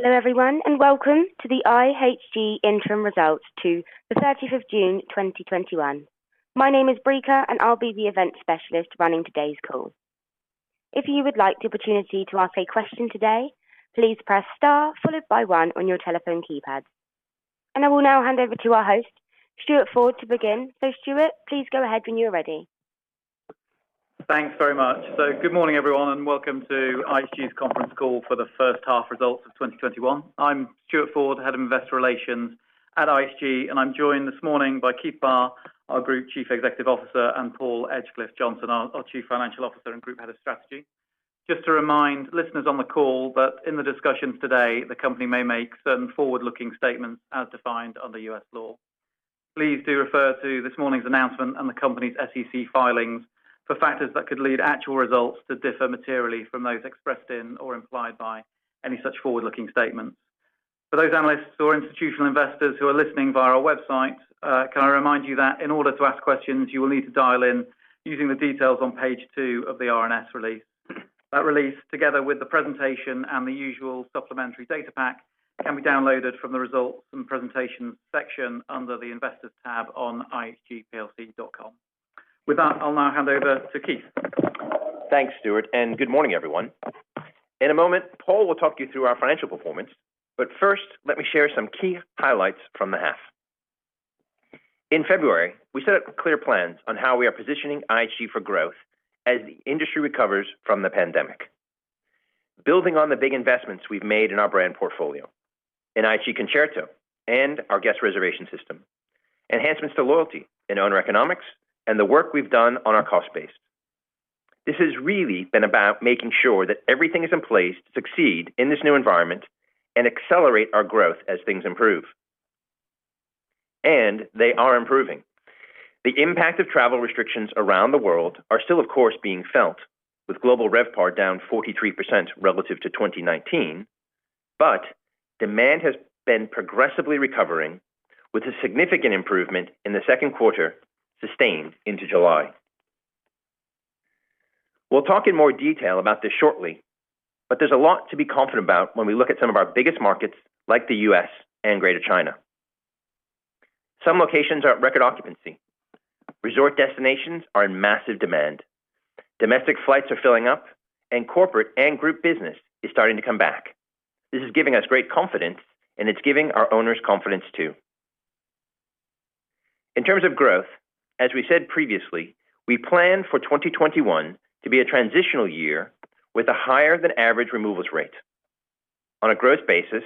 Hello everyone, and welcome to the results to the 30th of June 2021. My name is Brica, and I'll be the event specialist running today's call. If you would like the opportunity to ask a question today, please press star followed by one on your telephone keypad. I will now hand over to our host, Stuart Ford, to begin. Stuart, please go ahead when you're ready. Thanks very much. Good morning, everyone, and welcome to IHG's conference call for the first half results of 2021. I'm Stuart Ford, Head of Investor Relations at IHG, and I'm joined this morning by Keith Barr, our Group Chief Executive Officer, and Paul Edgecliffe-Johnson, our Chief Financial Officer and Group Head of Strategy. Just to remind listeners on the call that in the discussions today, the company may make certain forward-looking statements as defined under U.S. law. Please do refer to this morning's announcement and the company's SEC filings for factors that could lead actual results to differ materially from those expressed in or implied by any such forward-looking statements. For those analysts or institutional investors who are listening via our website, can I remind you that in order to ask questions, you will need to dial in using the details on page two of the RNS release. That release, together with the presentation and the usual supplementary data pack, can be downloaded from the Results and Presentation section under the Investors tab on ihgplc.com. With that, I'll now hand over to Keith. Thanks, Stuart. Good morning, everyone. In a moment, Paul will talk you through our financial performance, but first, let me share some key highlights from the half. In February, we set out clear plans on how we are positioning IHG for growth as the industry recovers from the pandemic, building on the big investments we've made in our brand portfolio, in IHG Concerto and our guest reservation system, enhancements to loyalty and owner economics, and the work we've done on our cost base. This has really been about making sure that everything is in place to succeed in this new environment and accelerate our growth as things improve. They are improving. The impact of travel restrictions around the world are still, of course, being felt with global RevPAR down 43% relative to 2019. Demand has been progressively recovering with a significant improvement in the second quarter sustained into July. We'll talk in more detail about this shortly. There's a lot to be confident about when we look at some of our biggest markets like the U.S. and Greater China. Some locations are at record occupancy. Resort destinations are in massive demand. Domestic flights are filling up. Corporate and group business is starting to come back. This is giving us great confidence. It's giving our owners confidence, too. In terms of growth, as we said previously, we plan for 2021 to be a transitional year with a higher-than-average removals rate. On a gross basis,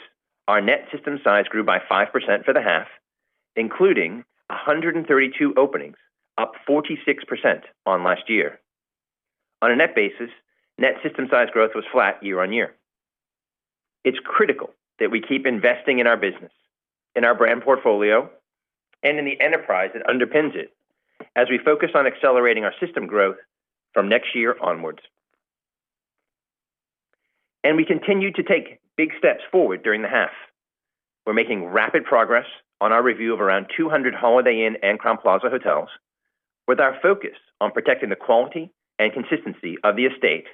our net system size grew by 5% for the half, including 132 openings, up 46% on last year. On a net basis, net system size growth was flat year-on-year. It's critical that we keep investing in our business, in our brand portfolio, and in the enterprise that underpins it as we focus on accelerating our system growth from next year onwards. We continued to take big steps forward during the half. We're making rapid progress on our review of around 200 Holiday Inn and Crowne Plaza hotels with our focus on protecting the quality and consistency of the estate,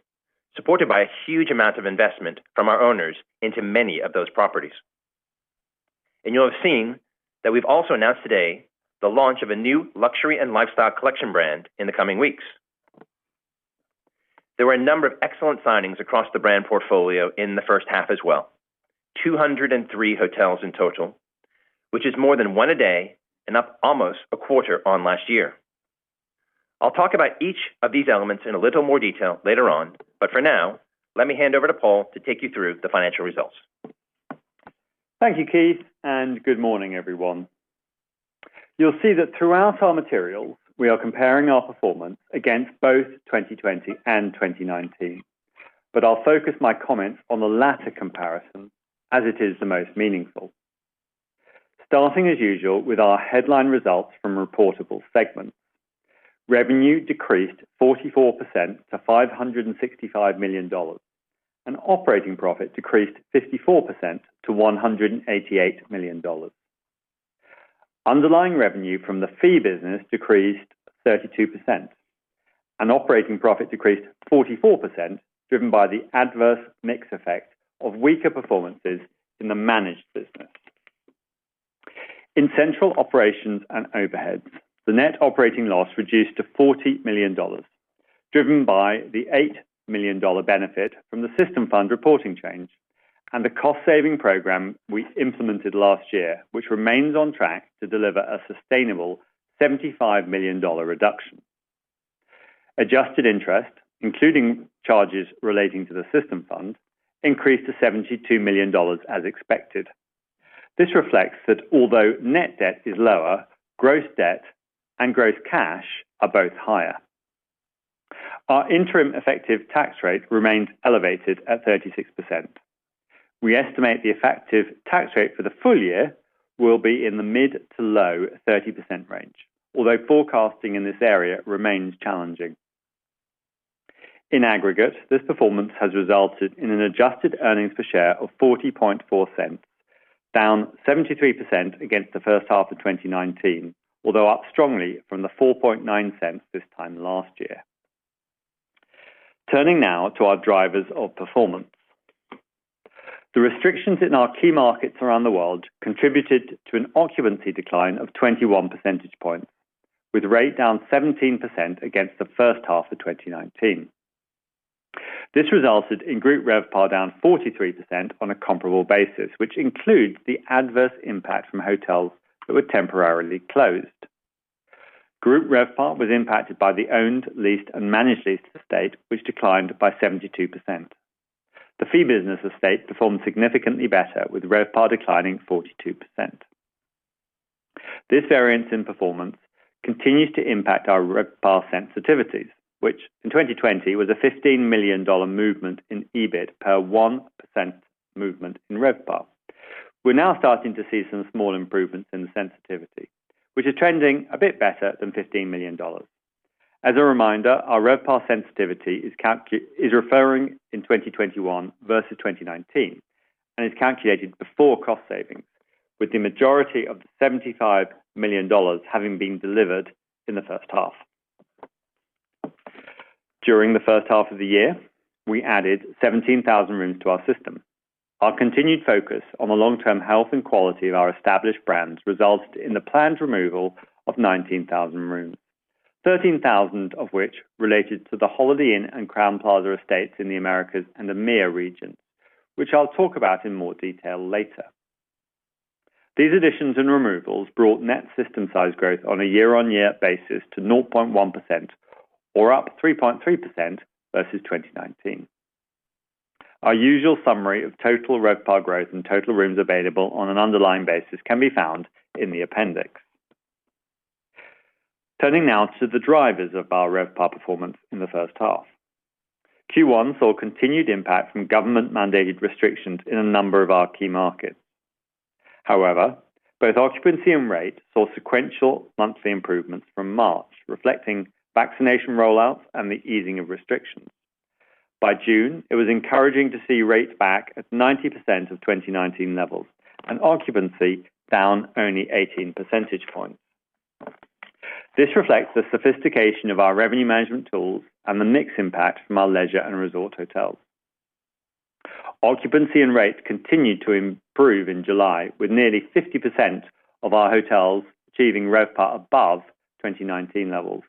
supported by a huge amount of investment from our owners into many of those properties. You'll have seen that we've also announced today the launch of a new luxury and lifestyle collection brand in the coming weeks. There were a number of excellent signings across the brand portfolio in the first half as well, 203 hotels in total, which is more than one a day and up almost 1/4 on last year. I'll talk about each of this elements in a little more details later on, but for now, let me hand over to Paul to take you through the financial results. Thank you, Keith, and good morning, everyone. You'll see that throughout our materials, we are comparing our performance against both 2020 and 2019, but I'll focus my comments on the latter comparison as it is the most meaningful. Starting as usual with our headline results from reportable segments. Revenue decreased 44% to $565 million, and operating profit decreased 54% to $188 million. Underlying revenue from the fee business decreased 32%, and operating profit decreased 44%, driven by the adverse mix effect of weaker performances in the managed business. In central operations and overheads, the net operating loss reduced to $40 million, driven by the $8 million benefit from the system fund reporting change and the cost-saving program we implemented last year, which remains on track to deliver a sustainable $75 million reduction. Adjusted interest, including charges relating to the system fund, increased to $72 million as expected. This reflects that although net debt is lower, gross debt and gross cash are both higher. Our interim effective tax rate remains elevated at 36%. We estimate the effective tax rate for the full year will be in the mid to low 30% range, although forecasting in this area remains challenging. In aggregate, this performance has resulted in an adjusted earnings per share of $0.404, down 73% against the first half of 2019, although up strongly from the $0.049 this time last year. Turning now to our drivers of performance. The restrictions in our key markets around the world contributed to an occupancy decline of 21 percentage points, with rate down 17% against the first half of 2019. This resulted in group RevPAR down 43% on a comparable basis, which includes the adverse impact from hotels that were temporarily closed. Group RevPAR was impacted by the owned, leased, and managed leased estate, which declined by 72%. The fee business estate performed significantly better, with RevPAR declining 42%. This variance in performance continues to impact our RevPAR sensitivities, which in 2020 was a $15 million movement in EBIT per 1% movement in RevPAR. We're now starting to see some small improvements in the sensitivity, which is trending a bit better than $15 million. As a reminder, our RevPAR sensitivity is referring in 2021 versus 2019 and is calculated before cost savings, with the majority of the $75 million having been delivered in the first half. During the first half of the year, we added 17,000 rooms to our system. Our continued focus on the long-term health and quality of our established brands resulted in the planned removal of 19,000 rooms, 13,000 of which related to the Holiday Inn and Crowne Plaza estates in the Americas and the EMEAA region, which I'll talk about in more detail later. These additions and removals brought net system size growth on a year-on-year basis to 0.1%, or up 3.3% versus 2019. Our usual summary of total RevPAR growth and total rooms available on an underlying basis can be found in the appendix. Turning now to the drivers of our RevPAR performance in the first half. Q1 saw continued impact from government-mandated restrictions in a number of our key markets. Both occupancy and rate saw sequential monthly improvements from March, reflecting vaccination rollouts and the easing of restrictions. By June, it was encouraging to see rates back at 90% of 2019 levels and occupancy down only 18 percentage points. This reflects the sophistication of our revenue management tools and the mix impact from our leisure and resort hotels. Occupancy and rates continued to improve in July, with nearly 50% of our hotels achieving RevPAR above 2019 levels.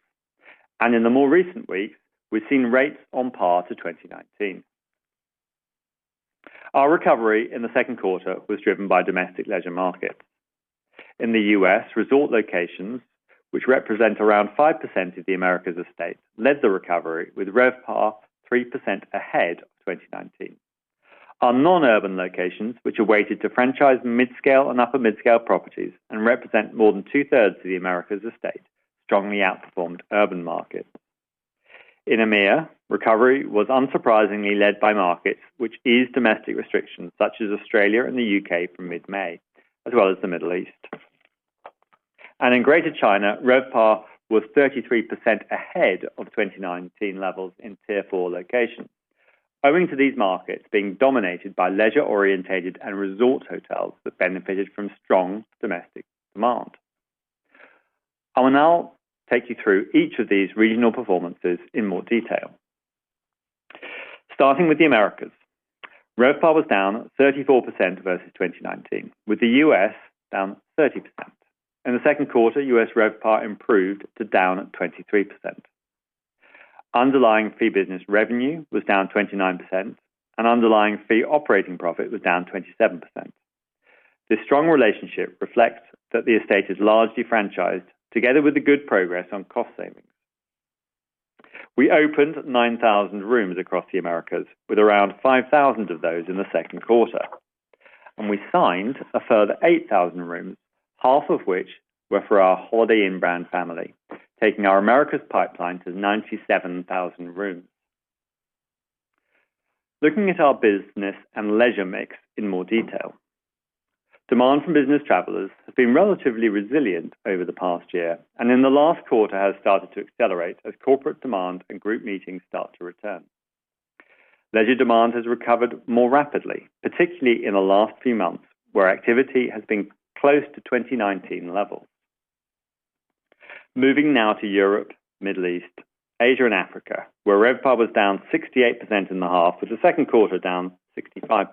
In the more recent weeks, we've seen rates on par to 2019. Our recovery in the second quarter was driven by domestic leisure markets. In the U.S., resort locations, which represent around 5% of the Americas estate, led the recovery with RevPAR 3% ahead of 2019. Our non-urban locations, which are weighted to franchise mid-scale and upper mid-scale properties and represent more than two-thirds of the Americas estate, strongly outperformed urban markets. In EMEAA, recovery was unsurprisingly led by markets which eased domestic restrictions such as Australia and the U.K. from mid-May, as well as the Middle East. In Greater China, RevPAR was 33% ahead of 2019 levels in Tier 4 locations, owing to these markets being dominated by leisure-orientated and resort hotels that benefited from strong domestic demand. I will now take you through each of these regional performances in more detail. Starting with the Americas. RevPAR was down 34% versus 2019, with the U.S. down 30%. In the second quarter, U.S. RevPAR improved to down 23%. Underlying fee business revenue was down 29%, and underlying fee operating profit was down 27%. This strong relationship reflects that the estate is largely franchised, together with the good progress on cost savings. We opened 9,000 rooms across the Americas with around 5,000 of those in the second quarter. We signed a further 8,000 rooms, half of which were for our Holiday Inn brand family, taking our Americas pipeline to 97,000 rooms. Looking at our business and leisure mix in more detail. Demand from business travelers has been relatively resilient over the past year and in the last quarter has started to accelerate as corporate demand and group meetings start to return. Leisure demand has recovered more rapidly, particularly in the last few months, where activity has been close to 2019 levels. Moving now to Europe, Middle East, Asia, and Africa, where RevPAR was down 68% in the half, with the second quarter down 65%.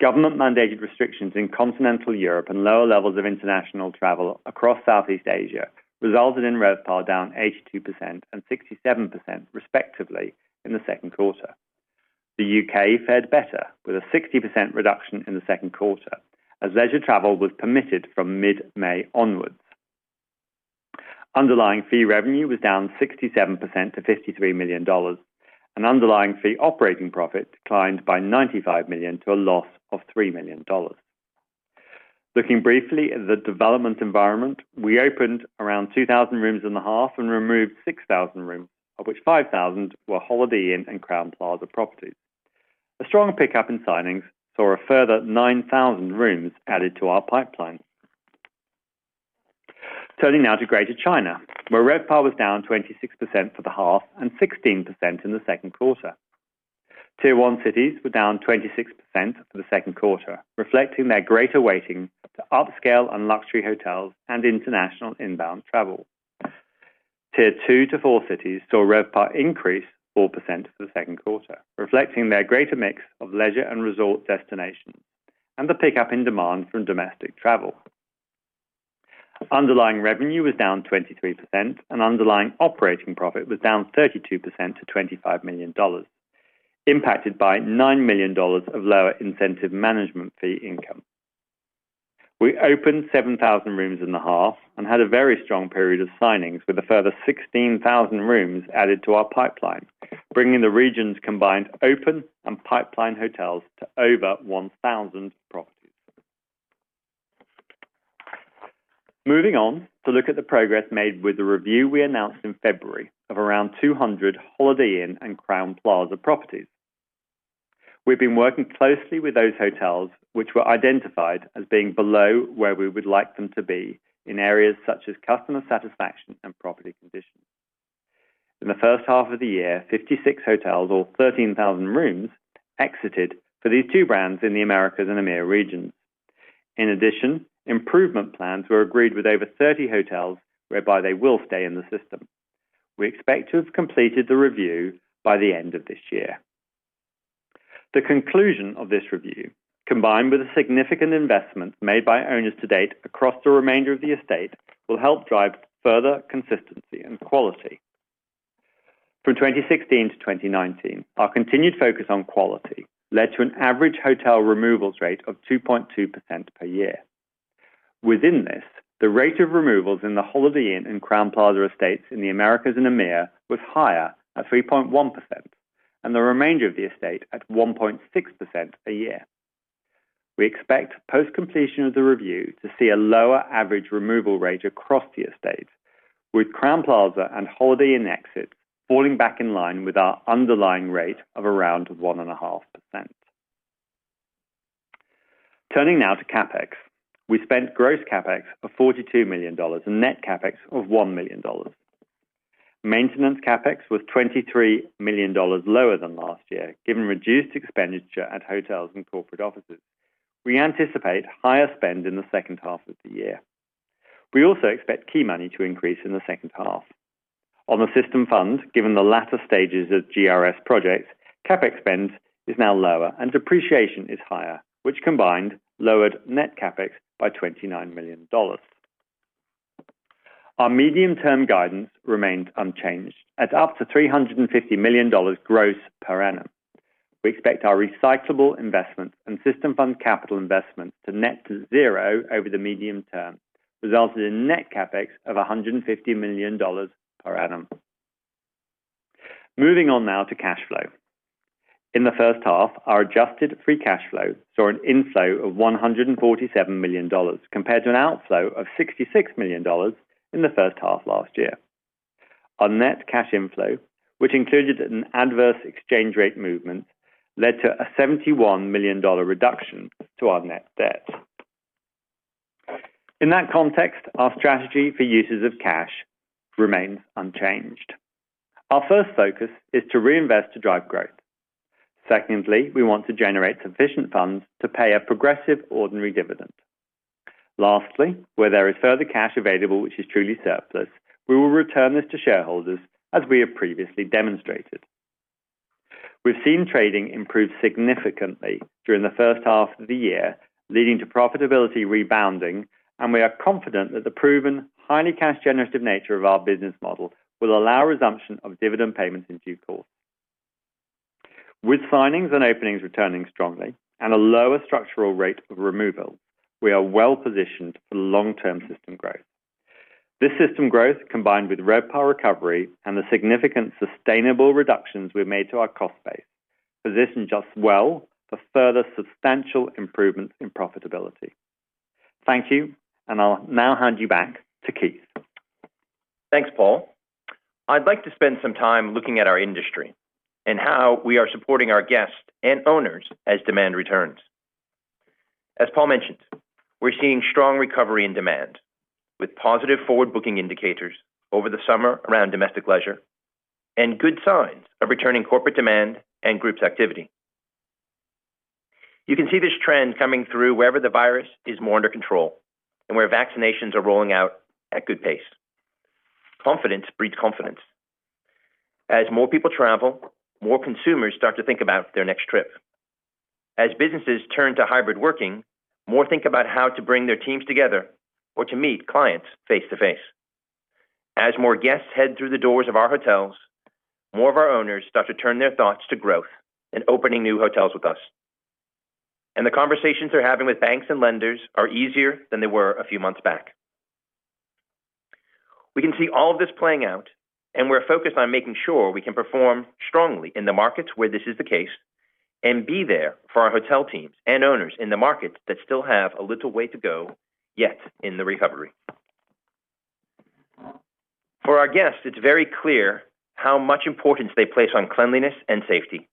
Government-mandated restrictions in continental Europe and lower levels of international travel across Southeast Asia resulted in RevPAR down 82% and 67%, respectively, in the second quarter. The U.K. fared better with a 60% reduction in the second quarter as leisure travel was permitted from mid-May onwards. Underlying fee revenue was down 67% to $53 million, and underlying fee operating profit declined by $95 million to a loss of $3 million. Looking briefly at the development environment, we opened around 2,000 rooms in the half and removed 6,000 rooms, of which 5,000 were Holiday Inn and Crowne Plaza properties. A strong pickup in signings saw a further 9,000 rooms added to our pipeline. Turning now to Greater China, where RevPAR was down 26% for the half and 16% in the second quarter. Tier 1 cities were down 26% for the second quarter, reflecting their greater weighting to upscale and luxury hotels and international inbound travel. Tier 2 to four cities saw RevPAR increase 4% for the second quarter, reflecting their greater mix of leisure and resort destinations, and the pickup in demand from domestic travel. Underlying revenue was down 23%, and underlying operating profit was down 32% to $25 million, impacted by $9 million of lower incentive management fee income. We opened 7,000 rooms in the half and had a very strong period of signings with a further 16,000 rooms added to our pipeline, bringing the region's combined open and pipeline hotels to over 1,000 properties. Moving on to look at the progress made with the review we announced in February of around 200 Holiday Inn and Crowne Plaza properties. We've been working closely with those hotels which were identified as being below where we would like them to be in areas such as customer satisfaction and property condition. In the first half of the year, 56 hotels or 13,000 rooms exited for these two brands in the Americas and EMEAA regions. In addition, improvement plans were agreed with over 30 hotels whereby they will stay in the system. We expect to have completed the review by the end of this year. The conclusion of this review, combined with the significant investment made by owners to date across the remainder of the estate, will help drive further consistency and quality. From 2016 to 2019, our continued focus on quality led to an average hotel removals rate of 2.2% per year. Within this, the rate of removals in the Holiday Inn and Crowne Plaza estates in the Americas and EMEAA was higher at 3.1%, and the remainder of the estate at 1.6% a year. We expect post-completion of the review to see a lower average removal rate across the estate, with Crowne Plaza and Holiday Inn exits falling back in line with our underlying rate of around 1.5%. Turning now to CapEx. We spent gross CapEx of $42 million and net CapEx of $1 million. Maintenance CapEx was $23 million lower than last year, given reduced expenditure at hotels and corporate offices. We anticipate higher spend in the second half of the year. We also expect key money to increase in the second half. On the system fund, given the latter stages of GRS projects, CapEx spend is now lower and depreciation is higher, which combined lowered net CapEx by $29 million. Our medium-term guidance remains unchanged at up to $350 million gross per annum. We expect our recyclable investments and system fund capital investments to net to zero over the medium term, resulting in net CapEx of $150 million per annum. Moving on now to cash flow. In the first half, our adjusted free cash flow saw an inflow of $147 million compared to an outflow of $66 million in the first half last year. Our net cash inflow, which included an adverse exchange rate movement, led to a $71 million reduction to our net debt. In that context, our strategy for uses of cash remains unchanged. Our first focus is to reinvest to drive growth. Secondly, we want to generate sufficient funds to pay a progressive ordinary dividend. Lastly, where there is further cash available which is truly surplus, we will return this to shareholders as we have previously demonstrated. We've seen trading improve significantly during the first half of the year, leading to profitability rebounding, and we are confident that the proven highly cash generative nature of our business model will allow resumption of dividend payments in due course. With signings and openings returning strongly and a lower structural rate of removal, we are well-positioned for long-term system growth. This system growth, combined with RevPAR recovery and the significant sustainable reductions we've made to our cost base, position us well for further substantial improvements in profitability. Thank you, and I'll now hand you back to Keith. Thanks, Paul. I'd like to spend some time looking at our industry and how we are supporting our guests and owners as demand returns. As Paul mentioned, we're seeing strong recovery in demand, with positive forward booking indicators over the summer around domestic leisure and good signs of returning corporate demand and groups activity. You can see this trend coming through wherever the virus is more under control and where vaccinations are rolling out at good pace. Confidence breeds confidence. As more people travel, more consumers start to think about their next trip. As businesses turn to hybrid working, more think about how to bring their teams together or to meet clients face to face. As more guests head through the doors of our hotels, more of our owners start to turn their thoughts to growth and opening new hotels with us. The conversations they're having with banks and lenders are easier than they were a few months back. We can see all of this playing out, and we're focused on making sure we can perform strongly in the markets where this is the case and be there for our hotel teams and owners in the markets that still have a little way to go yet in the recovery. For our guests, it's very clear how much importance they place on cleanliness and safety,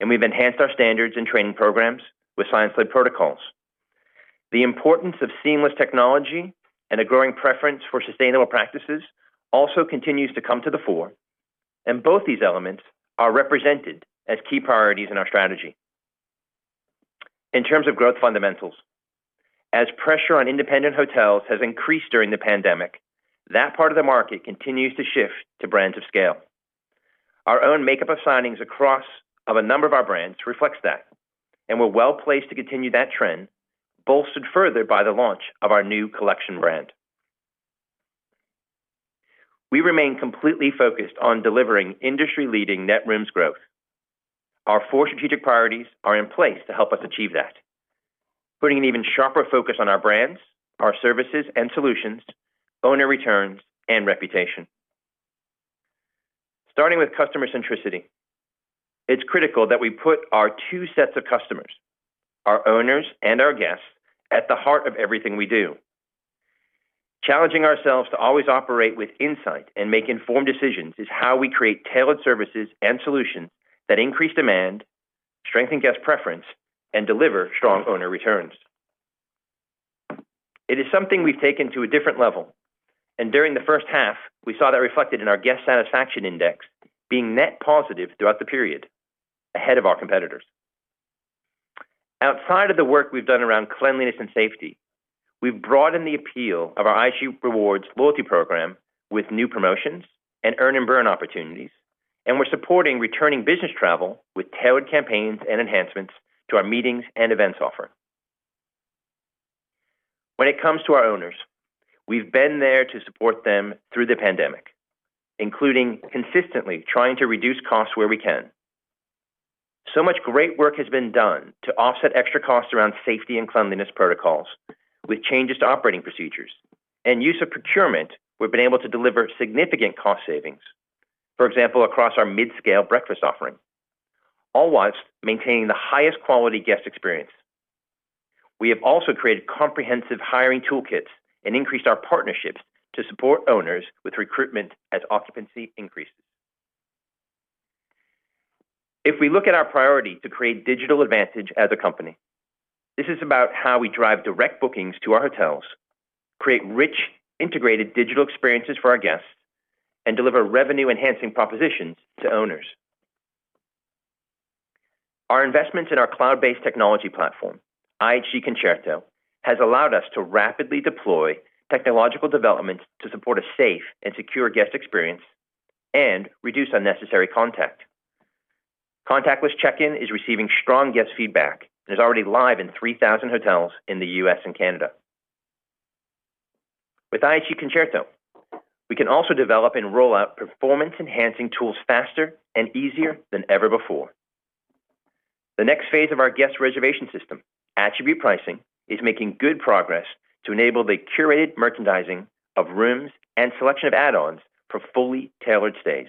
and we've enhanced our standards and training programs with science-led protocols. The importance of seamless technology and a growing preference for sustainable practices also continues to come to the fore, and both these elements are represented as key priorities in our strategy. In terms of growth fundamentals, as pressure on independent hotels has increased during the pandemic, that part of the market continues to shift to brands of scale. Our own makeup of signings across of a number of our brands reflects that, and we're well-placed to continue that trend, bolstered further by the launch of our new collection brand. We remain completely focused on delivering industry-leading net rooms growth. Our four strategic priorities are in place to help us achieve that, putting an even sharper focus on our brands, our services and solutions, owner returns, and reputation. Starting with customer centricity, it's critical that we put our two sets of customers, our owners, and our guests, at the heart of everything we do. Challenging ourselves to always operate with insight and make informed decisions is how we create tailored services and solutions that increase demand, strengthen guest preference, and deliver strong owner returns. It is something we've taken to a different level, During the first half, we saw that reflected in our guest satisfaction index being net positive throughout the period, ahead of our competitors. Outside of the work we've done around cleanliness and safety, we've broadened the appeal of our IHG Rewards loyalty program with new promotions and earn and burn opportunities. We're supporting returning business travel with tailored campaigns and enhancements to our meetings and events offering. When it comes to our owners, we've been there to support them through the pandemic, including consistently trying to reduce costs where we can. Much great work has been done to offset extra costs around safety and cleanliness protocols with changes to operating procedures. In use of procurement, we've been able to deliver significant cost savings, for example, across our mid-scale breakfast offering, all whilst maintaining the highest quality guest experience. We have also created comprehensive hiring toolkits and increased our partnerships to support owners with recruitment as occupancy increases. If we look at our priority to create digital advantage as a company, this is about how we drive direct bookings to our hotels, create rich, integrated digital experiences for our guests, and deliver revenue-enhancing propositions to owners. Our investments in our cloud-based technology platform, IHG Concerto, has allowed us to rapidly deploy technological developments to support a safe and secure guest experience and reduce unnecessary contact. Contactless check-in is receiving strong guest feedback and is already live in 3,000 hotels in the U.S. and Canada. With IHG Concerto, we can also develop and roll out performance-enhancing tools faster and easier than ever before. The next phase of our guest reservation system, attribute pricing, is making good progress to enable the curated merchandising of rooms and selection of add-ons for fully tailored stays.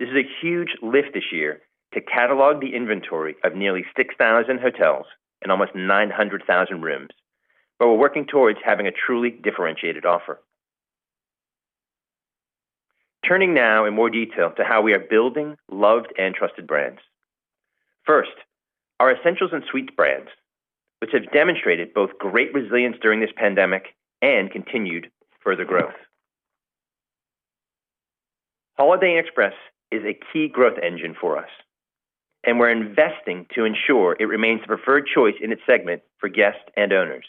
This is a huge lift this year to catalog the inventory of nearly 6,000 hotels and almost 900,000 rooms. We're working towards having a truly differentiated offer. Turning now in more detail to how we are building loved and trusted brands. First, our essentials and suites brands, which have demonstrated both great resilience during this pandemic and continued further growth. Holiday Inn Express is a key growth engine for us, and we're investing to ensure it remains the preferred choice in its segment for guests and owners.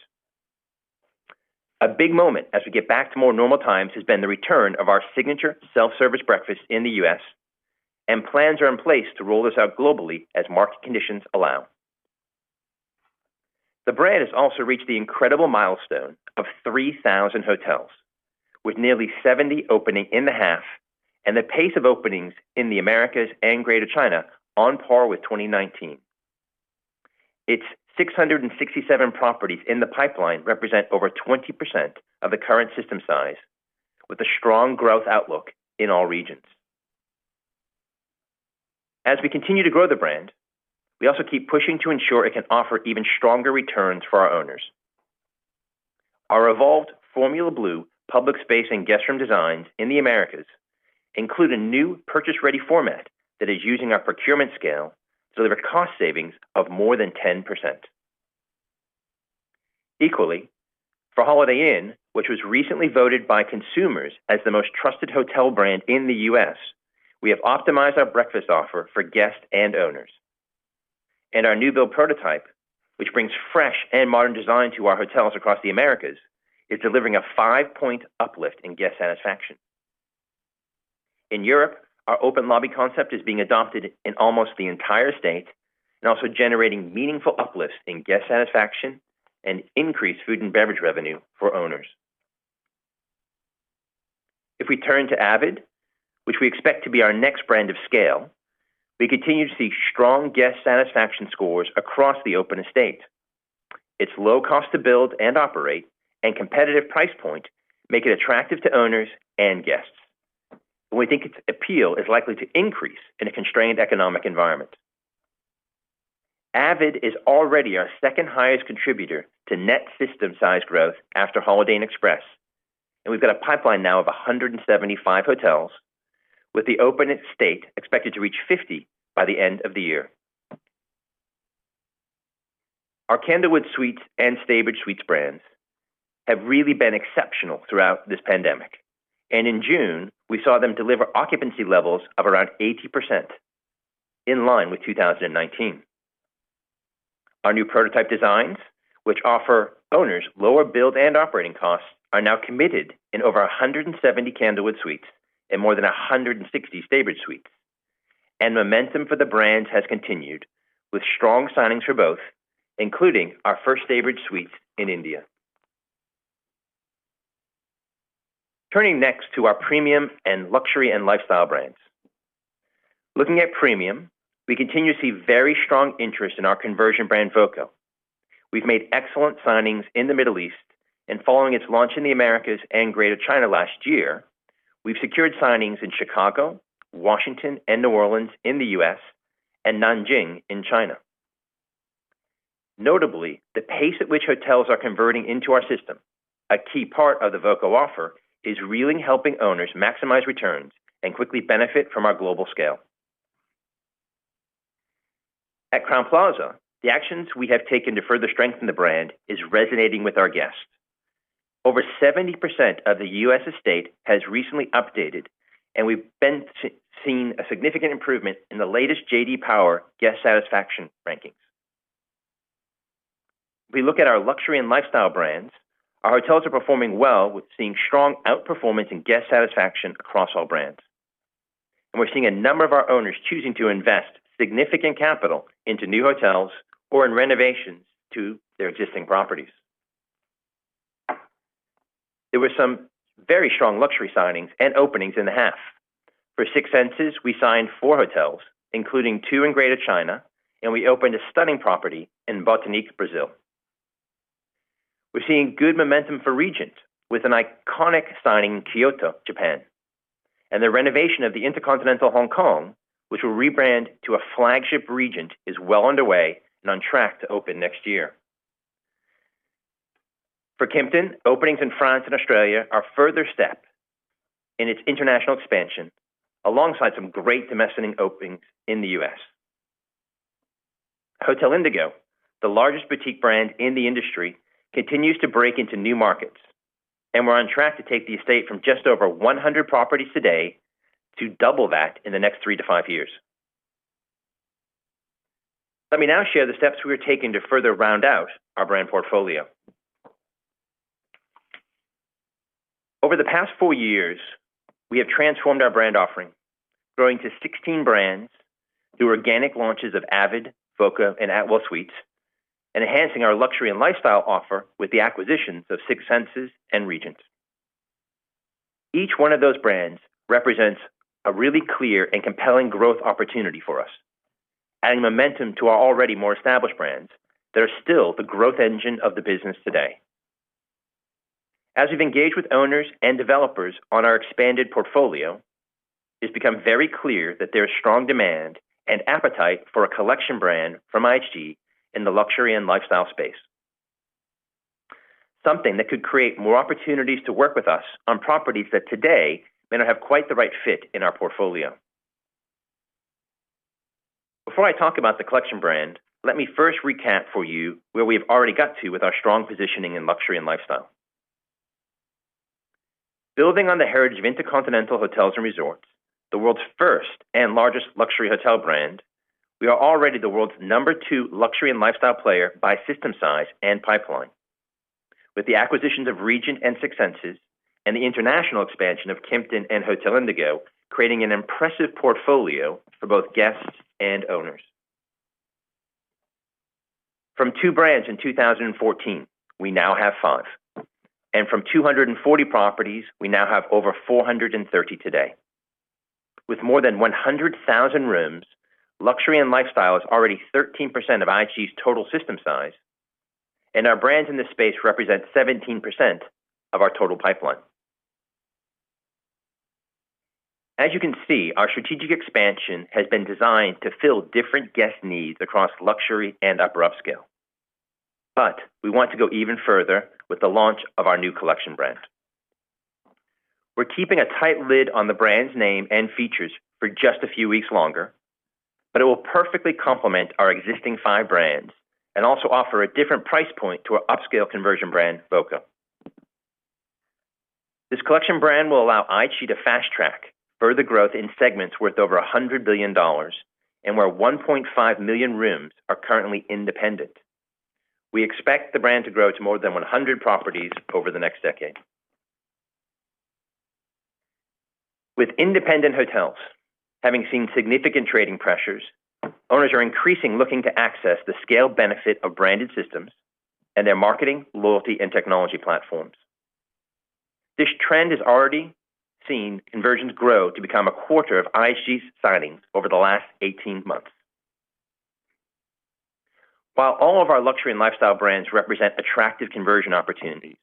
A big moment as we get back to more normal times has been the return of our signature self-service breakfast in the U.S., and plans are in place to roll this out globally as market conditions allow. The brand has also reached the incredible milestone of 3,000 hotels, with nearly 70 opening in the half, and the pace of openings in the Americas and Greater China on par with 2019. Its 667 properties in the pipeline represent over 20% of the current system size, with a strong growth outlook in all regions. As we continue to grow the brand, we also keep pushing to ensure it can offer even stronger returns for our owners. Our evolved Formula Blue public space and guest room designs in the Americas include a new purchase-ready format that is using our procurement scale to deliver cost savings of more than 10%. Equally, for Holiday Inn, which was recently voted by consumers as the most trusted hotel brand in the U.S., we have optimized our breakfast offer for guests and owners, and our new-build prototype, which brings fresh and modern design to our hotels across the Americas, is delivering a five-point uplift in guest satisfaction. In Europe, our open lobby concept is being adopted in almost the entire estate and also generating meaningful uplifts in guest satisfaction and increased food and beverage revenue for owners. If we turn to Avid, which we expect to be our next brand of scale, we continue to see strong guest satisfaction scores across the open estate. Its low cost to build and operate and competitive price point make it attractive to owners and guests. We think its appeal is likely to increase in a constrained economic environment. Avid Hotels is already our second highest contributor to net system size growth after Holiday Inn Express. We've got a pipeline now of 175 hotels with the open estate expected to reach 50 by the end of the year. Our Candlewood Suites and Staybridge Suites brands have really been exceptional throughout this pandemic, and in June, we saw them deliver occupancy levels of around 80%, in line with 2019. Our new prototype designs, which offer owners lower build and operating costs, are now committed in over 170 Candlewood Suites and more than 160 Staybridge Suites. Momentum for the brands has continued with strong signings for both, including our first Staybridge Suites in India. Turning next to our premium and luxury and lifestyle brands. Looking at premium, we continue to see very strong interest in our conversion brand, Voco. We've made excellent signings in the Middle East, and following its launch in the Americas and Greater China last year, we've secured signings in Chicago, Washington, and New Orleans in the U.S., and Nanjing in China. Notably, the pace at which hotels are converting into our system, a key part of the Voco offer, is really helping owners maximize returns and quickly benefit from our global scale. At Crowne Plaza, the actions we have taken to further strengthen the brand is resonating with our guests. Over 70% of the U.S. estate has recently updated, and we've been seeing a significant improvement in the latest J.D. Power guest satisfaction rankings. If we look at our luxury and lifestyle brands, our hotels are performing well. We're seeing strong outperformance in guest satisfaction across all brands. We're seeing a number of our owners choosing to invest significant capital into new hotels or in renovations to their existing properties. There were some very strong luxury signings and openings in the half. For Six Senses, we signed four hotels, including two in Greater China. We opened a stunning property in Botanique, Brazil. We're seeing good momentum for Regent with an iconic signing in Kyoto, Japan. The renovation of the InterContinental Hong Kong, which will rebrand to a flagship Regent, is well underway and on track to open next year. For Kimpton, openings in France and Australia are further step in its international expansion alongside some great domestic openings in the U.S. Hotel Indigo, the largest boutique brand in the industry, continues to break into new markets, and we're on track to take the estate from just over 100 properties today to double that in the next three to five years. Let me now share the steps we are taking to further round out our brand portfolio. Over the past four years, we have transformed our brand offering, growing to 16 brands through organic launches of Avid Hotels, Voco Hotels, and Atwell Suites, enhancing our luxury and lifestyle offer with the acquisitions of Six Senses and Regent. Each one of those brands represents a really clear and compelling growth opportunity for us, adding momentum to our already more established brands that are still the growth engine of the business today. As we've engaged with owners and developers on our expanded portfolio, it's become very clear that there's strong demand and appetite for a collection brand from IHG in the luxury and lifestyle space. Something that could create more opportunities to work with us on properties that today may not have quite the right fit in our portfolio. Before I talk about the collection brand, let me first recap for you where we've already got to with our strong positioning in luxury and lifestyle. Building on the heritage of InterContinental Hotels & Resorts, the world's first and largest luxury hotel brand, we are already the world's number two luxury and lifestyle player by system size and pipeline. With the acquisitions of Regent and Six Senses and the international expansion of Kimpton and Hotel Indigo, creating an impressive portfolio for both guests and owners. From two brands in 2014, we now have five, and from 240 properties, we now have over 430 today. With more than 100,000 rooms, luxury and lifestyle is already 13% of IHG's total system size, and our brands in this space represent 17% of our total pipeline. As you can see, our strategic expansion has been designed to fill different guest needs across luxury and upper upscale. We want to go even further with the launch of our new collection brand. We're keeping a tight lid on the brand's name and features for just a few weeks longer, but it will perfectly complement our existing five brands and also offer a different price point to our upscale conversion brand, Voco. This collection brand will allow IHG to fast-track further growth in segments worth over $100 billion and where 1.5 million rooms are currently independent. We expect the brand to grow to more than 100 properties over the next decade. With independent hotels having seen significant trading pressures, owners are increasingly looking to access the scale benefit of branded systems and their marketing, loyalty, and technology platforms. This trend has already seen conversions grow to become 1/4 of IHG's signings over the last 18 months. While all of our luxury and lifestyle brands represent attractive conversion opportunities,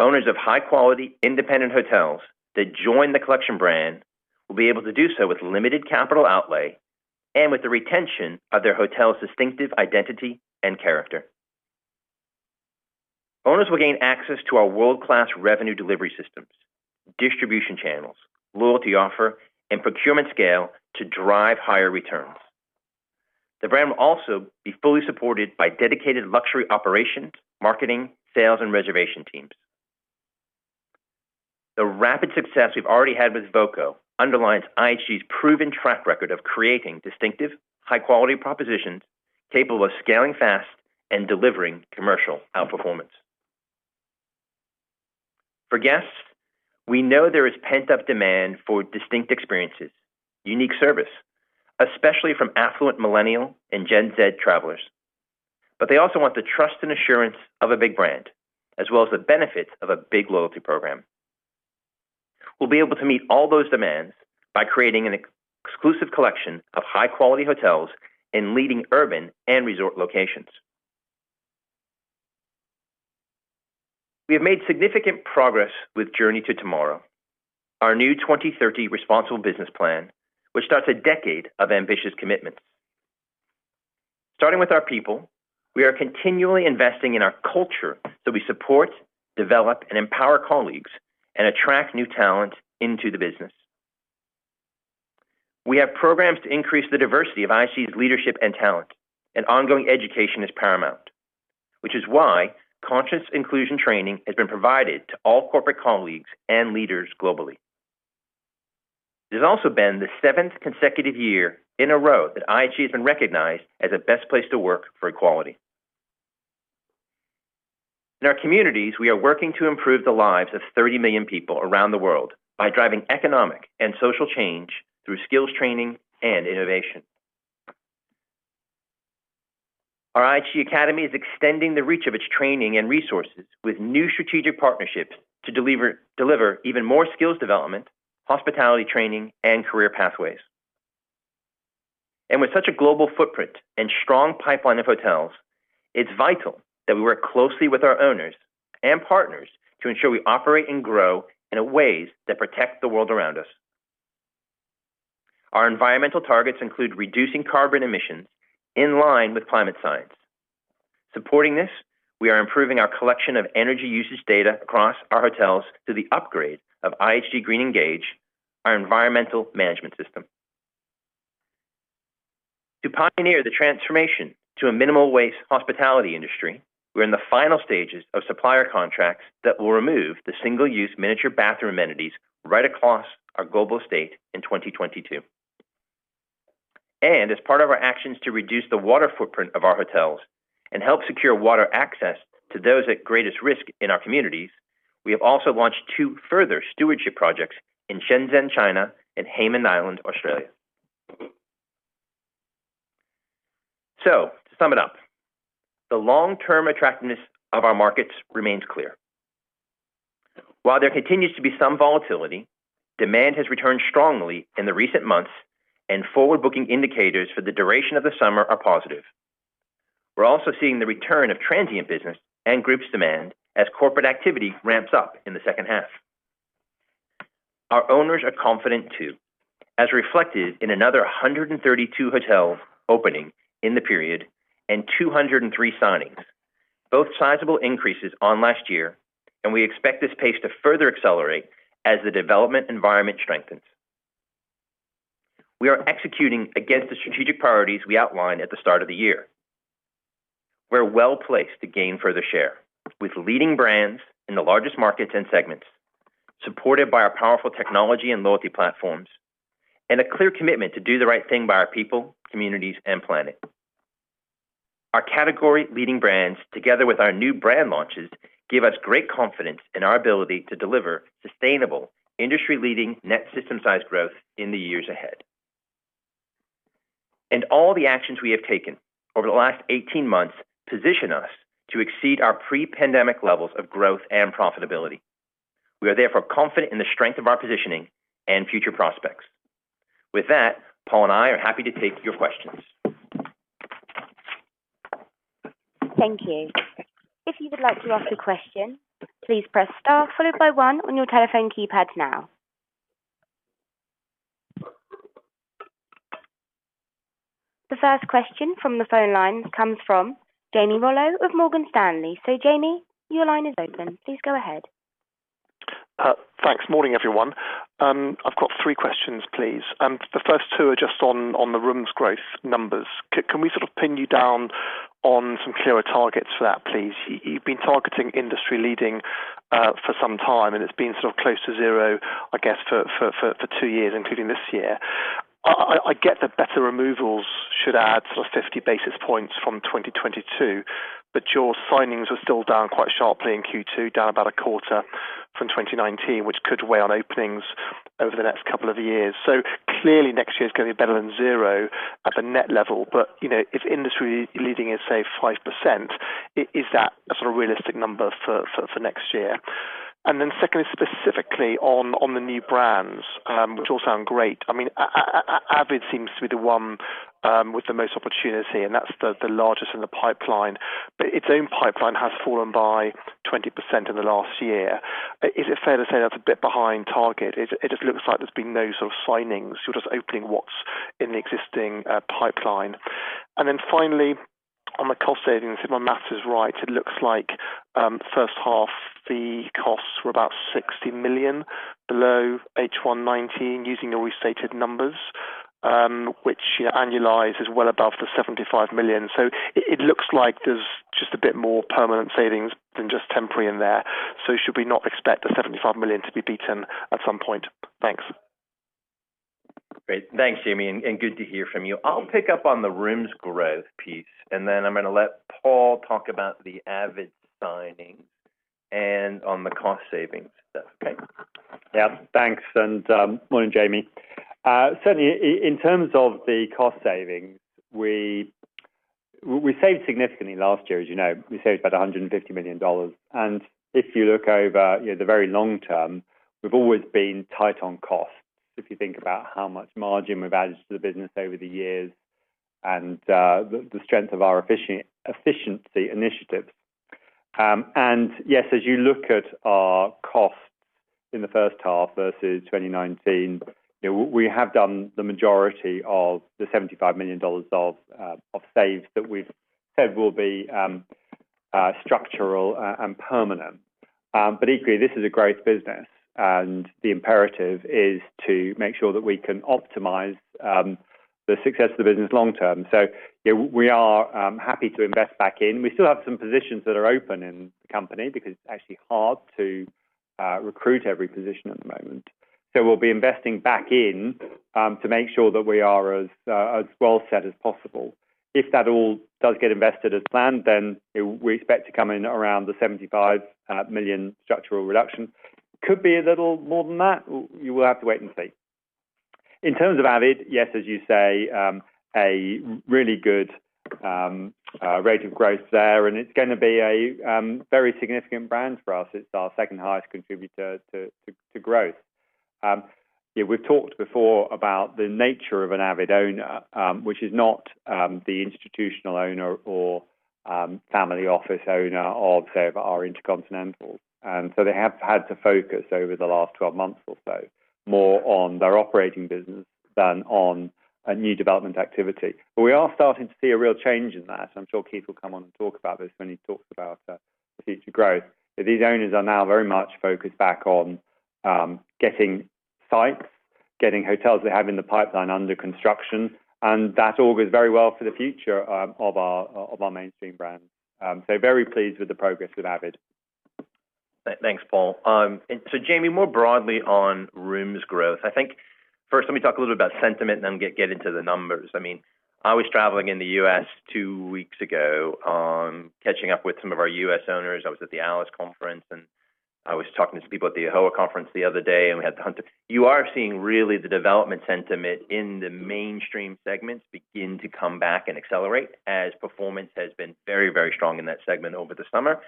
owners of high-quality independent hotels that join the collection brand will be able to do so with limited capital outlay. With the retention of their hotel's distinctive identity and character. Owners will gain access to our world-class revenue delivery systems, distribution channels, loyalty offer, and procurement scale to drive higher returns. The brand will also be fully supported by dedicated luxury operations, marketing, sales, and reservation teams. The rapid success we've already had with Voco underlines IHG's proven track record of creating distinctive, high-quality propositions capable of scaling fast and delivering commercial outperformance. For guests, we know there is pent-up demand for distinct experiences, unique service, especially from affluent millennial and Gen Z travelers. They also want the trust and assurance of a big brand, as well as the benefits of a big loyalty program. We'll be able to meet all those demands by creating an exclusive collection of high-quality hotels in leading urban and resort locations. We have made significant progress with Journey to Tomorrow, our new 2030 responsible business plan, which starts a decade of ambitious commitments. Starting with our people, we are continually investing in our culture, we support, develop, and empower colleagues and attract new talent into the business. We have programs to increase the diversity of IHG's leadership and talent, and ongoing education is paramount, which is why conscious inclusion training has been provided to all corporate colleagues and leaders globally. This has also been the seventh consecutive year in a row that IHG has been recognized as a best place to work for equality. In our communities, we are working to improve the lives of 30 million people around the world by driving economic and social change through skills training and innovation. Our IHG Academy is extending the reach of its training and resources with new strategic partnerships to deliver even more skills development, hospitality training, and career pathways. With such a global footprint and strong pipeline of hotels, it's vital that we work closely with our owners and partners to ensure we operate and grow in ways that protect the world around us. Our environmental targets include reducing carbon emissions in line with climate science. Supporting this, we are improving our collection of energy usage data across our hotels through the upgrade of IHG Green Engage, our environmental management system. To pioneer the transformation to a minimal waste hospitality industry, we're in the final stages of supplier contracts that will remove the single-use miniature bathroom amenities right across our global state in 2022. As part of our actions to reduce the water footprint of our hotels and help secure water access to those at greatest risk in our communities, we have also launched two further stewardship projects in Shenzhen, China, and Hayman Island, Australia. To sum it up, the long-term attractiveness of our markets remains clear. While there continues to be some volatility, demand has returned strongly in the recent months, and forward-booking indicators for the duration of the summer are positive. We're also seeing the return of transient business and groups demand as corporate activity ramps up in the second half. Our owners are confident, too, as reflected in another 132 hotels opening in the period and 203 signings, both sizable increases on last year, and we expect this pace to further accelerate as the development environment strengthens. We are executing against the strategic priorities we outlined at the start of the year. We're well-placed to gain further share with leading brands in the largest markets and segments, supported by our powerful technology and loyalty platforms, and a clear commitment to do the right thing by our people, communities, and planet. Our category leading brands, together with our new brand launches, give us great confidence in our ability to deliver sustainable, industry-leading net system size growth in the years ahead. All the actions we have taken over the last 18 months position us to exceed our pre-pandemic levels of growth and profitability. We are therefore confident in the strength of our positioning and future prospects. With that, Paul and I are happy to take your questions. Thank you. If you would like to ask the question please press star followed by one on your telephone keypad now. The first question from the phone lines comes from Jamie Rollo of Morgan Stanley. Jamie, your line is open. Please go ahead. Thanks. Morning, everyone. I've got three questions, please. The first two are just on the rooms growth numbers. Can we sort of pin you down on some clearer targets for that, please? You've been targeting industry leading for some time, and it's been sort of close to zero, I guess, for two years, including this year. I get that better removals should add sort of 50 basis points from 2022, but your signings are still down quite sharply in Q2, down about 1/4 from 2019, which could weigh on openings over the next couple of years. Clearly, next year is going to be better than zero at the net level. If industry leading is, say, 5%, is that a sort of realistic number for next year? Secondly, specifically on the new brands, which all sound great. I mean, Avid seems to be the one with the most opportunity, and that's the largest in the pipeline. Its own pipeline has fallen by 20% in the last year. Is it fair to say that's a bit behind target? It just looks like there's been no sort of signings, you're just opening what's in the existing pipeline. Finally, on the cost savings, if my maths is right, it looks like first half, the costs were about $60 million below H1 2019 using the restated numbers, which annualized is well above the $75 million. It looks like there's just a bit more permanent savings than just temporary in there. Should we not expect the $75 million to be beaten at some point? Thanks. Great. Thanks, Jamie, and good to hear from you. I'll pick up on the rooms growth piece, and then I'm going to let Paul talk about the Avid signings and on the cost savings stuff. Okay? Yeah. Thanks. Morning, Jamie. Certainly, in terms of the cost savings, we saved significantly last year, as you know. We saved about $150 million. If you look over the very long term, we've always been tight on costs, if you think about how much margin we've added to the business over the years and the strength of our efficiency initiatives. Yes, as you look at our costs in the first half versus 2019, we have done the majority of the $75 million of saves that we've said will be structural and permanent. Equally, this is a growth business, and the imperative is to make sure that we can optimize the success of the business long term. We are happy to invest back in. We still have some positions that are open in the company because it's actually hard to recruit every position at the moment. We'll be investing back in to make sure that we are as well set as possible. If that all does get invested as planned, we expect to come in around the $75 million structural reduction. Could be a little more than that. You will have to wait and see. In terms of Avid, yes, as you say, a really good rate of growth there, and it's going to be a very significant brand for us. It's our second highest contributor to growth. We've talked before about the nature of an Avid owner, which is not the institutional owner or family office owner of, say, of our InterContinental. They have had to focus over the last 12 months or so more on their operating business than on a new development activity. We are starting to see a real change in that. I'm sure Keith will come on and talk about this when he talks about future growth. These owners are now very much focused back on getting sites, getting hotels they have in the pipeline under construction, and that all bodes very well for the future of our mainstream brands. Very pleased with the progress with Avid Hotels. Thanks, Paul. Jamie, more broadly on rooms growth, I think first let me talk a little bit about sentiment and then get into the numbers. I was traveling in the U.S. two weeks ago, catching up with some of our U.S. owners. I was at the ALIS Conference, and I was talking to some people at the AHLA Conference the other day, and we had the Hunter. You are seeing really the development sentiment in the mainstream segments begin to come back and accelerate as performance has been very strong in that segment over the summer,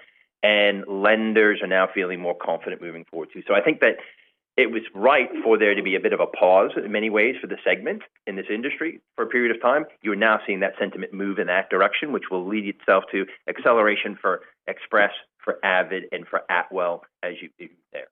and lenders are now feeling more confident moving forward, too. I think that it was right for there to be a bit of a pause in many ways for the segment in this industry for a period of time. You are now seeing that sentiment move in that direction, which will lead itself to acceleration for Express, for Avid, and for Atwell as you go there.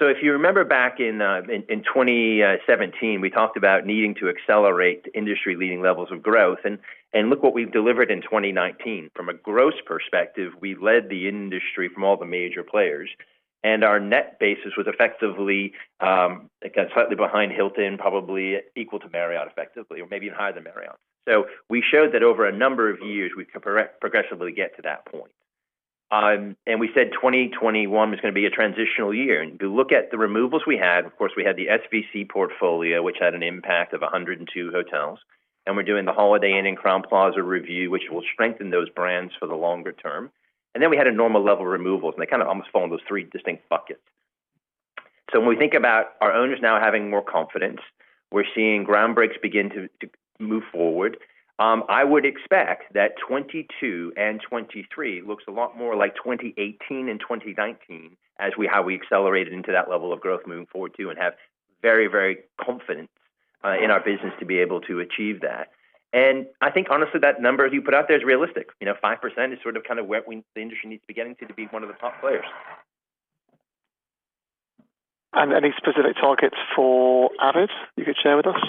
If you remember back in 2017, we talked about needing to accelerate to industry-leading levels of growth, and look what we've delivered in 2019. From a growth perspective, we led the industry from all the major players, and our net basis was effectively, it got slightly behind Hilton, probably equal to Marriott effectively, or maybe even higher than Marriott. We showed that over a number of years, we could progressively get to that point. We said 2021 was going to be a transitional year. If you look at the removals we had, of course, we had the SVC portfolio, which had an impact of 102 hotels, and we're doing the Holiday Inn and Crowne Plaza review, which will strengthen those brands for the longer term. Then we had a normal level of removals, and they almost fall in those three distinct buckets. When we think about our owners now having more confidence, we're seeing ground breaks begin to move forward. I would expect that 2022 and 2023 looks a lot more like 2018 and 2019 as how we accelerated into that level of growth moving forward, too, and have very confidence in our business to be able to achieve that. I think honestly, that number you put out there is realistic. 5% is where the industry needs to be getting to be one of the top players. Any specific targets for Avid you could share with us?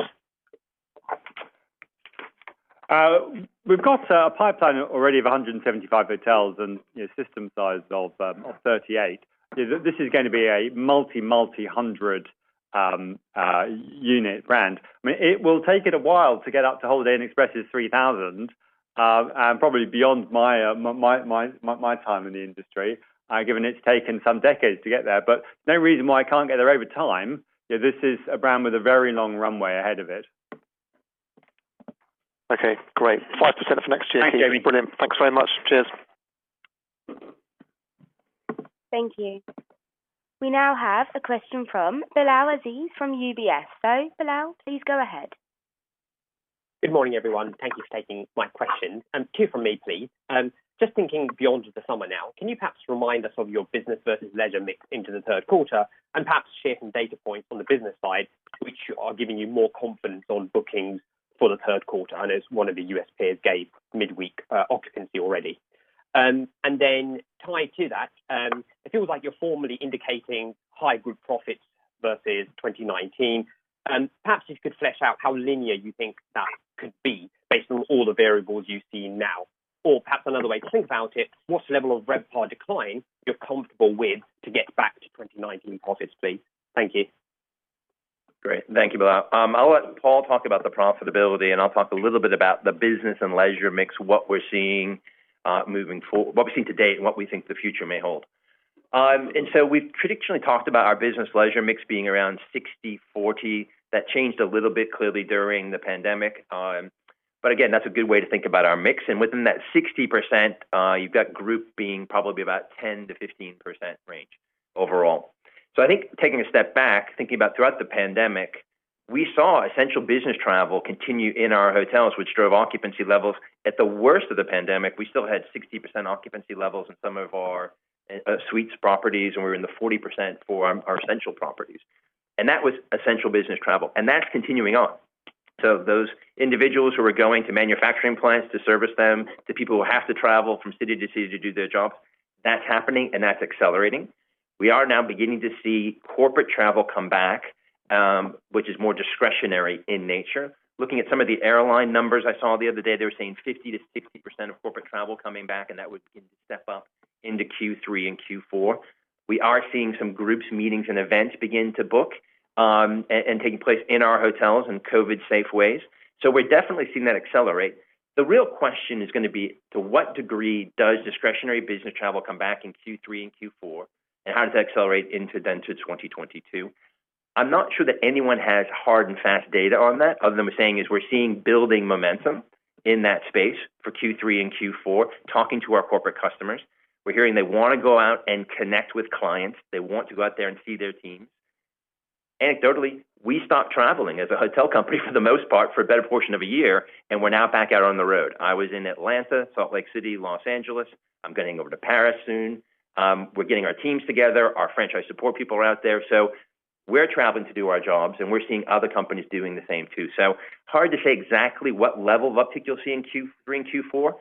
We've got a pipeline already of 175 hotels and system size of 38. This is going to be a multi-hundred unit brand. It will take it a while to get up to Holiday Inn Express's 3,000, and probably beyond my time in the industry, given it's taken some decades to get there. No reason why it can't get there over time. This is a brand with a very long runway ahead of it. Okay, great. 5% for next year. Thanks, Jamie. Brilliant. Thanks very much. Cheers. Thank you. We now have a question from Bilal Aziz from UBS. Bilal, please go ahead. Good morning, everyone. Thank you for taking my questions. Two from me, please. Just thinking beyond the summer now, can you perhaps remind us of your business versus leisure mix into the third quarter, and perhaps share some data points on the business side which are giving you more confidence on bookings for the third quarter? I know one of the U.S. peers gave midweek occupancy already. Tied to that, it feels like you're formally indicating high group profits versus 2019. Perhaps you could flesh out how linear you think that could be based on all the variables you've seen now. Perhaps another way to think about it, what level of RevPAR decline you're comfortable with to get back to 2019 profits be? Thank you. Great. Thank you, Bilal Aziz. I'll let Paul Edgecliffe-Johnson talk about the profitability, and I'll talk a little bit about the business and leisure mix, what we're seeing to date, and what we think the future may hold. We've traditionally talked about our business leisure mix being around 60/40. That changed a little bit clearly during the pandemic. Again, that's a good way to think about our mix. Within that 60%, you've got group being probably about 10%-15% range overall. I think taking a step back, thinking about throughout the pandemic, we saw essential business travel continue in our hotels, which drove occupancy levels. At the worst of the pandemic, we still had 60% occupancy levels in some of our suites properties, and we were in the 40% for our essential properties. That was essential business travel, and that's continuing on. Those individuals who are going to manufacturing plants to service them, the people who have to travel from city to city to do their jobs, that's happening, and that's accelerating. We are now beginning to see corporate travel come back, which is more discretionary in nature. Looking at some of the airline numbers I saw the other day, they were saying 50%-60% of corporate travel coming back, and that would begin to step up into Q3 and Q4. We are seeing some groups, meetings, and events begin to book, and taking place in our hotels in COVID-safe ways. We're definitely seeing that accelerate. The real question is going to be, to what degree does discretionary business travel come back in Q3 and Q4, and how does that accelerate into then to 2022? I'm not sure that anyone has hard and fast data on that, other than saying is we're seeing building momentum in that space for Q3 and Q4, talking to our corporate customers. We're hearing they want to go out and connect with clients. They want to go out there and see their teams. Anecdotally, we stopped traveling as a hotel company for the most part for a better portion of a year, and we're now back out on the road. I was in Atlanta, Salt Lake City, L.A. I'm getting over to Paris soon. We're getting our teams together. Our franchise support people are out there. We're traveling to do our jobs, and we're seeing other companies doing the same too. Hard to say exactly what level of uptick you'll see in Q3 and Q4.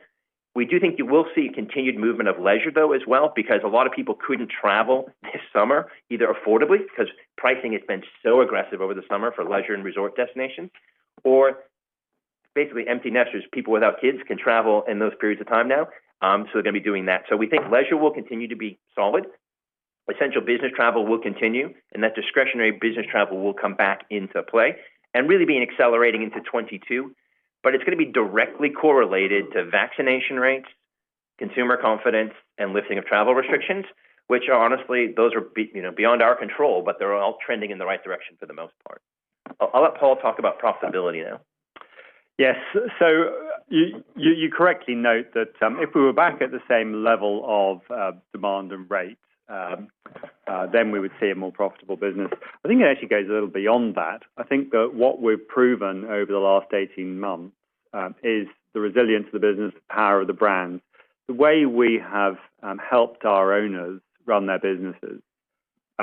We do think you will see continued movement of leisure, though, as well, because a lot of people couldn't travel this summer, either affordably, because pricing has been so aggressive over the summer for leisure and resort destinations, or basically empty nesters, people without kids, can travel in those periods of time now. They're going to be doing that. We think leisure will continue to be solid. Essential business travel will continue, and that discretionary business travel will come back into play and really be accelerating into 2022. It's going to be directly correlated to vaccination rates, consumer confidence, and lifting of travel restrictions, which are honestly, those are beyond our control, but they're all trending in the right direction for the most part. I'll let Paul talk about profitability now. Yes. You correctly note that if we were back at the same level of demand and rate, then we would see a more profitable business. I think it actually goes a little beyond that. I think that what we've proven over the last 18 months is the resilience of the business, the power of the brand, the way we have helped our owners run their businesses,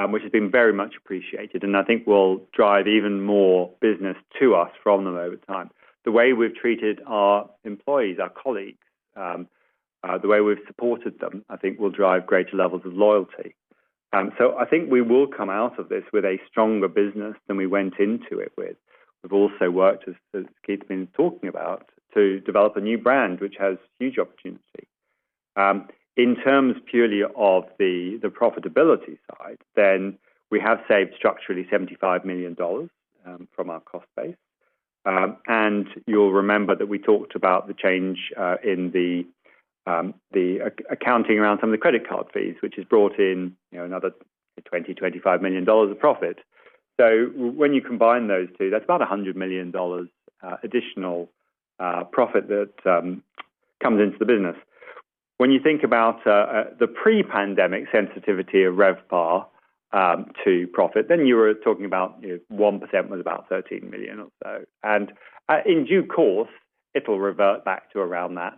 which has been very much appreciated, and I think will drive even more business to us from them over time. The way we've treated our employees, our colleagues, the way we've supported them, I think will drive greater levels of loyalty. I think we will come out of this with a stronger business than we went into it with. We've also worked, as Keith's been talking about, to develop a new brand, which has huge opportunity. In terms purely of the profitability side, we have saved structurally $75 million from our cost base. You'll remember that we talked about the change in the accounting around some of the credit card fees, which has brought in another $20 million-$25 million of profit. When you combine those two, that's about $100 million additional profit that comes into the business. When you think about the pre-pandemic sensitivity of RevPAR to profit, then you were talking about 1% was about $13 million or so. In due course, it'll revert back to around that.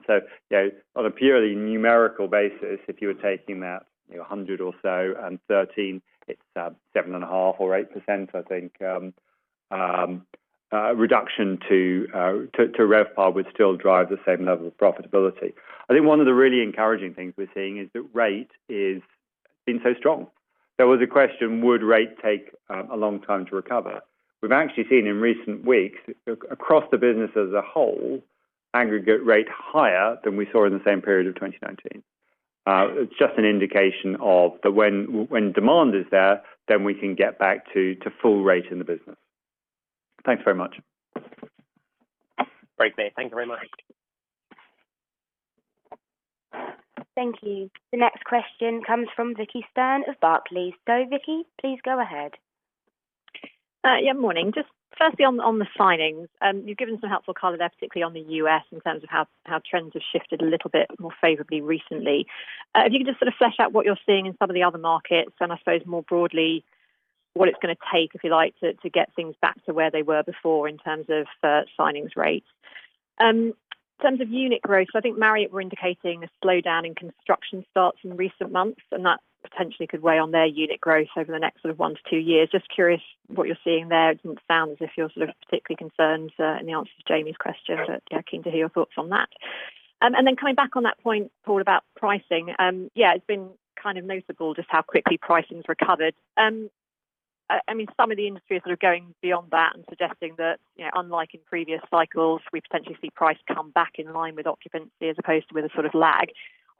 On a purely numerical basis, if you were taking that $100 or so and $13, it's 7.5% or 8%, I think, reduction to RevPAR would still drive the same level of profitability. I think one of the really encouraging things we're seeing is that rate is been so strong. There was a question, would rate take a long time to recover? We've actually seen in recent weeks, across the business as a whole, aggregate rate higher than we saw in the same period of 2019. It's just an indication of that when demand is there, then we can get back to full rate in the business. Thanks very much. Great. Thank you very much. Thank you. The next question comes from Vicki Stern of Barclays. Vicki, please go ahead. Yeah. Morning. Firstly on the signings. You've given some helpful color, particularly on the U.S. in terms of how trends have shifted a little bit more favorably recently. You can just flesh out what you're seeing in some of the other markets, and I suppose more broadly, what it's going to take, if you like, to get things back to where they were before in terms of signings rates. In terms of unit growth, I think Marriott were indicating a slowdown in construction starts in recent months, and that potentially could weigh on their unit growth over the next one to two years. Curious what you're seeing there. It didn't sound as if you're particularly concerned in the answer to Jamie's question, yeah, keen to hear your thoughts on that. Coming back on that point, Paul, about pricing. Yeah, it's been noticeable just how quickly pricing's recovered. Some of the industry is going beyond that and suggesting that, unlike in previous cycles, we potentially see price come back in line with occupancy as opposed to with a lag.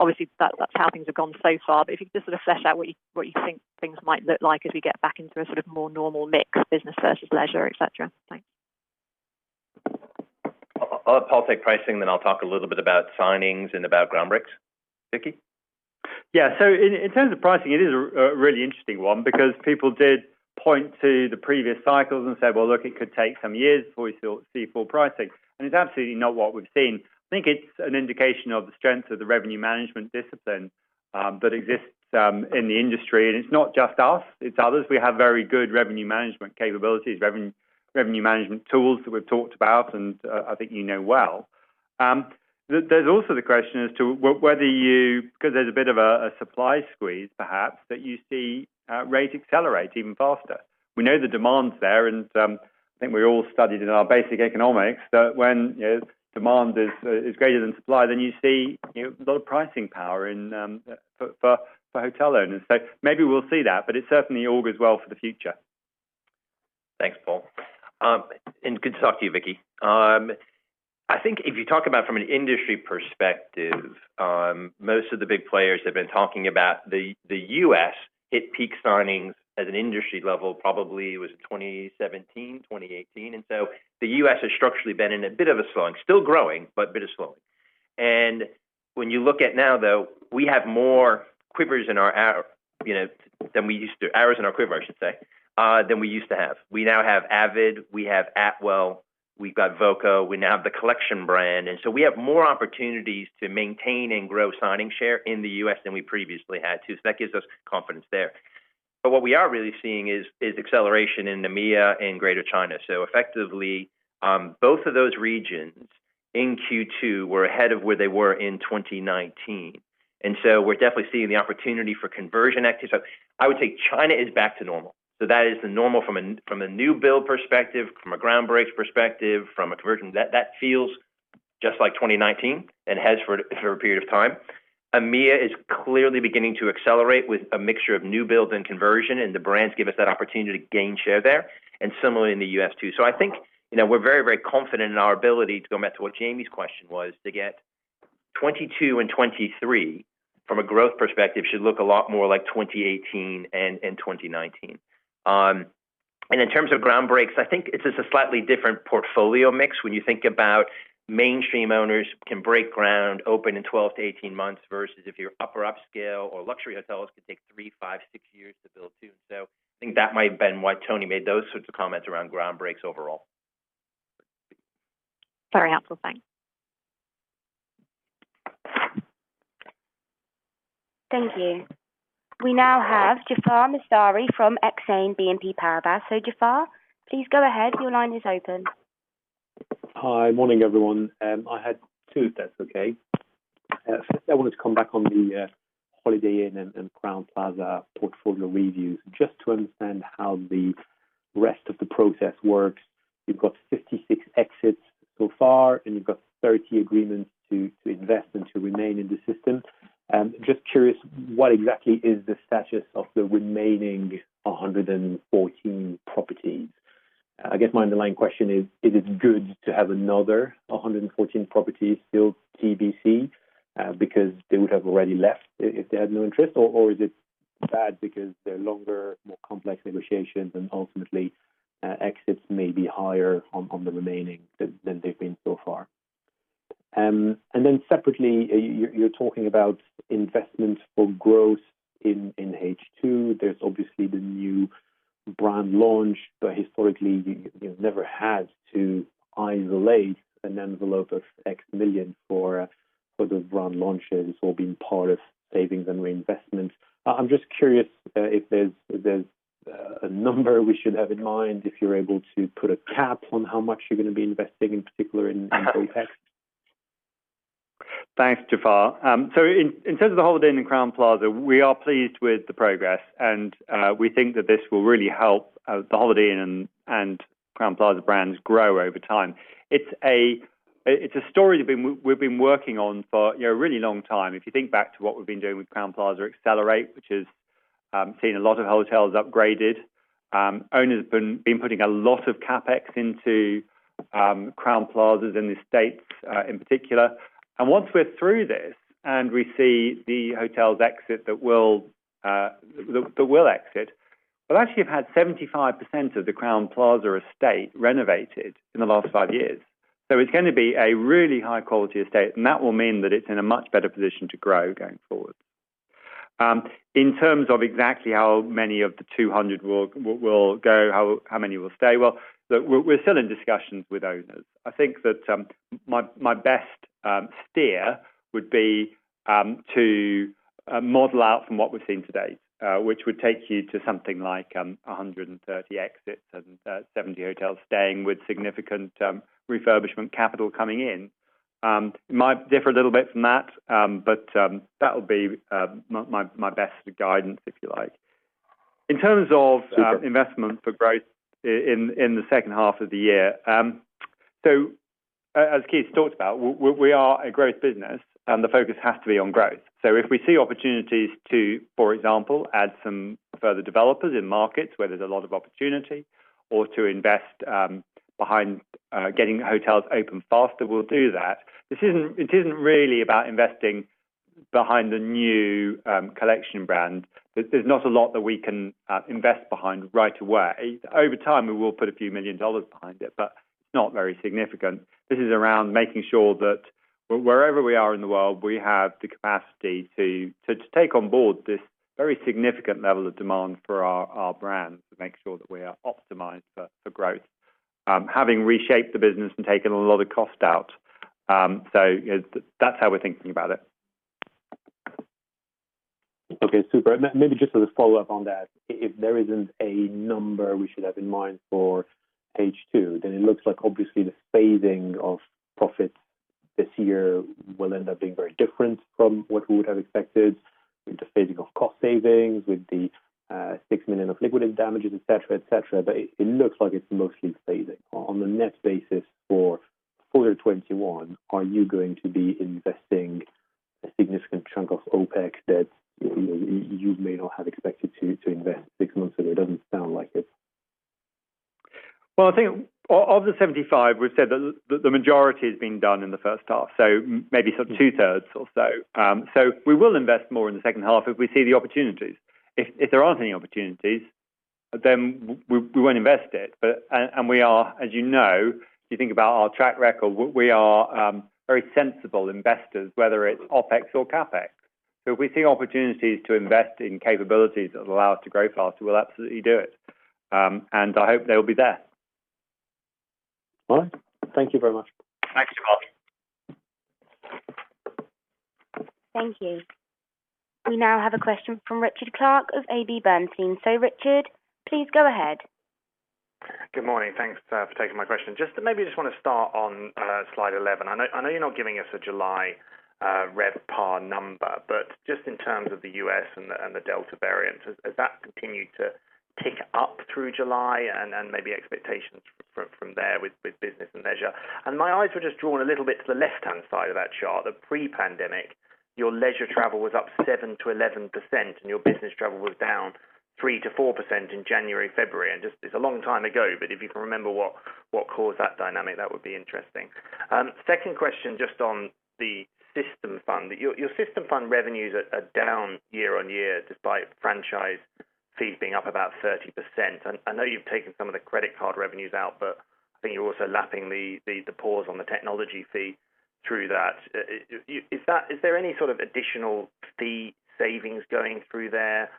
Obviously, that's how things have gone so far. If you could just flesh out what you think things might look like as we get back into a more normal mix business versus leisure, et cetera. Thanks. I'll take pricing, then I'll talk a little bit about signings and about ground breaks. Vicki? Yeah. In terms of pricing, it is a really interesting one because people did point to the previous cycles and said, "Well, look, it could take some years before we see full pricing." It's absolutely not what we've seen. I think it's an indication of the strength of the revenue management discipline that exists in the industry. It's not just us, it's others. We have very good revenue management capabilities, revenue management tools that we've talked about, and I think you know well. There's also the question as to whether you, because there's a bit of a supply squeeze, perhaps, that you see rates accelerate even faster. We know the demand's there, and I think we all studied in our basic economics that when demand is greater than supply, then you see a lot of pricing power for hotel owners. Maybe we'll see that, but it certainly augurs well for the future. Thanks, Paul. Good to talk to you, Vicki. I think if you talk about from an industry perspective, most of the big players have been talking about the U.S. hit peak signings at an industry level, probably it was 2017, 2018. The U.S. has structurally been in a bit of a slowing, still growing, but a bit of slowing. When you look at now, though, we have more arrows in our quiver than we used to have. We now have Avid Hotels, we have Atwell Suites, we've got Voco Hotels, we now have the Collection brand. We have more opportunities to maintain and grow signing share in the U.S. than we previously had to. That gives us confidence there. What we are really seeing is acceleration in EMEAA and Greater China. Effectively, both of those regions in Q2 were ahead of where they were in 2019. We're definitely seeing the opportunity for conversion activity. I would say China is back to normal. That is the normal from a new build perspective, from a ground breaks perspective, from a conversion. That feels just like 2019 and has for a period of time. EMEAA is clearly beginning to accelerate with a mixture of new builds and conversion, and the brands give us that opportunity to gain share there, and similarly in the U.S. too. I think, we're very, very confident in our ability to go back to what Jamie's question was, to get 2022 and 2023 from a growth perspective should look a lot more like 2018 and 2019. In terms of ground breaks, I think it's just a slightly different portfolio mix when you think about mainstream owners can break ground open in 12-18 months versus if you're upper upscale or luxury hotels could take three, five, six years to build too. I think that might have been why Tony made those sorts of comments around ground breaks overall. Very helpful. Thanks. Thank you. We now have Jaafar Mestari from Exane BNP Paribas. Jaafar, please go ahead. Your line is open. Hi. Morning, everyone. I had two, if that's okay. First, I wanted to come back on the Holiday Inn and Crowne Plaza portfolio reviews just to understand how the rest of the process works. You've got 56 exits so far, and you've got 30 agreements to invest and to remain in the system. Just curious, what exactly is the status of the remaining 114 properties? I guess my underlying question is it good to have another 114 properties still TBC because they would have already left if they had no interest? Is it bad because they're longer, more complex negotiations, and ultimately exits may be higher on the remaining than they've been so far? Separately, you're talking about investment for growth in H2. There's obviously the new brand launch, but historically, you've never had to isolate an envelope of X million for the brand launches or being part of savings and reinvestments. I'm just curious if there's a number we should have in mind, if you're able to put a cap on how much you're going to be investing in particular in CapEx? Thanks, Jaafar. In terms of the Holiday Inn and Crowne Plaza, we are pleased with the progress, and we think that this will really help the Holiday Inn and Crowne Plaza brands grow over time. It's a story we've been working on for a really long time. If you think back to what we've been doing with Crowne Plaza Accelerate, which has seen a lot of hotels upgraded. Owners been putting a lot of CapEx into Crowne Plazas in the U.S. in particular. Once we're through this and we see the hotels exit that will exit, we'll actually have had 75% of the Crowne Plaza estate renovated in the last five years. It's going to be a really high-quality estate, and that will mean that it's in a much better position to grow going forward. In terms of exactly how many of the 200 will go, how many will stay, well, we're still in discussions with owners. I think that my best steer would be to model out from what we've seen to date, which would take you to something like 130 exits and 70 hotels staying with significant refurbishment capital coming in. It might differ a little bit from that, but that'll be my best guidance, if you like. In terms of investment for growth in the second half of the year. As Keith Barr talked about, we are a growth business and the focus has to be on growth. If we see opportunities to, for example, add some further developers in markets where there's a lot of opportunity or to invest behind getting hotels open faster, we'll do that. It isn't really about investing behind the new collection brand. There's not a lot that we can invest behind right away. Over time, we will put a few million GBP behind it, but it's not very significant. This is around making sure that wherever we are in the world, we have the capacity to take on board this very significant level of demand for our brand to make sure that we are optimized for growth, having reshaped the business and taken a lot of cost out. That's how we're thinking about it. Okay, super. Maybe just as a follow-up on that, if there isn't a number we should have in mind for H2, then it looks like obviously the phasing of profits this year will end up being very different from what we would have expected with the phasing of cost savings, with the 6 million of liquidated damages, et cetera. It looks like it's mostly phasing. On the net basis for fuller 2021, are you going to be investing a significant chunk of OpEx that you may not have expected to invest six months ago? It doesn't sound like it. Well, I think of the $75, we've said that the majority is being done in the first half, so maybe two-thirds or so. We will invest more in the second half if we see the opportunities. If there aren't any opportunities, we won't invest it. We are, as you know, you think about our track record, we are very sensible investors, whether it's OpEx or CapEx. If we see opportunities to invest in capabilities that allow us to grow faster, we'll absolutely do it. I hope they'll be there. All right. Thank you very much. Thanks, Paul. Thank you. We now have a question from Richard Clarke of AB Bernstein. Richard, please go ahead. Good morning. Thanks for taking my question. Just maybe just want to start on slide 11. I know you're not giving us a July RevPAR number, just in terms of the U.S. and the Delta variant, has that continued to tick up through July and maybe expectations from there with business and leisure? My eyes were just drawn a little bit to the left-hand side of that chart, the pre-pandemic. Your leisure travel was up 7%-11%, your business travel was down 3%-4% in January, February. It's a long time ago, if you can remember what caused that dynamic, that would be interesting. Second question, just on the system fund. Your system fund revenues are down year-over-year despite franchise fees being up about 30%. I know you've taken some of the credit card revenues out, but I think you're also lapping the pause on the technology fee through that. Is there any sort of additional fee savings going through there?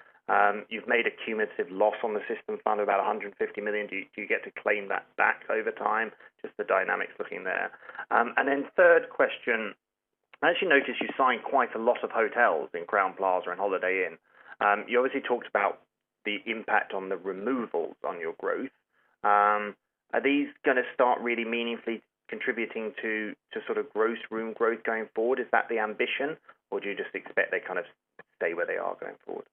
You've made a cumulative loss on the system fund of about 150 million. Do you get to claim that back over time? Just the dynamics looking there. Third question, I actually noticed you signed quite a lot of hotels in Crowne Plaza and Holiday Inn. You obviously talked about the impact on the removals on your growth. Are these going to start really meaningfully contributing to gross room growth going forward? Is that the ambition or do you just expect they kind of stay where they are going forward?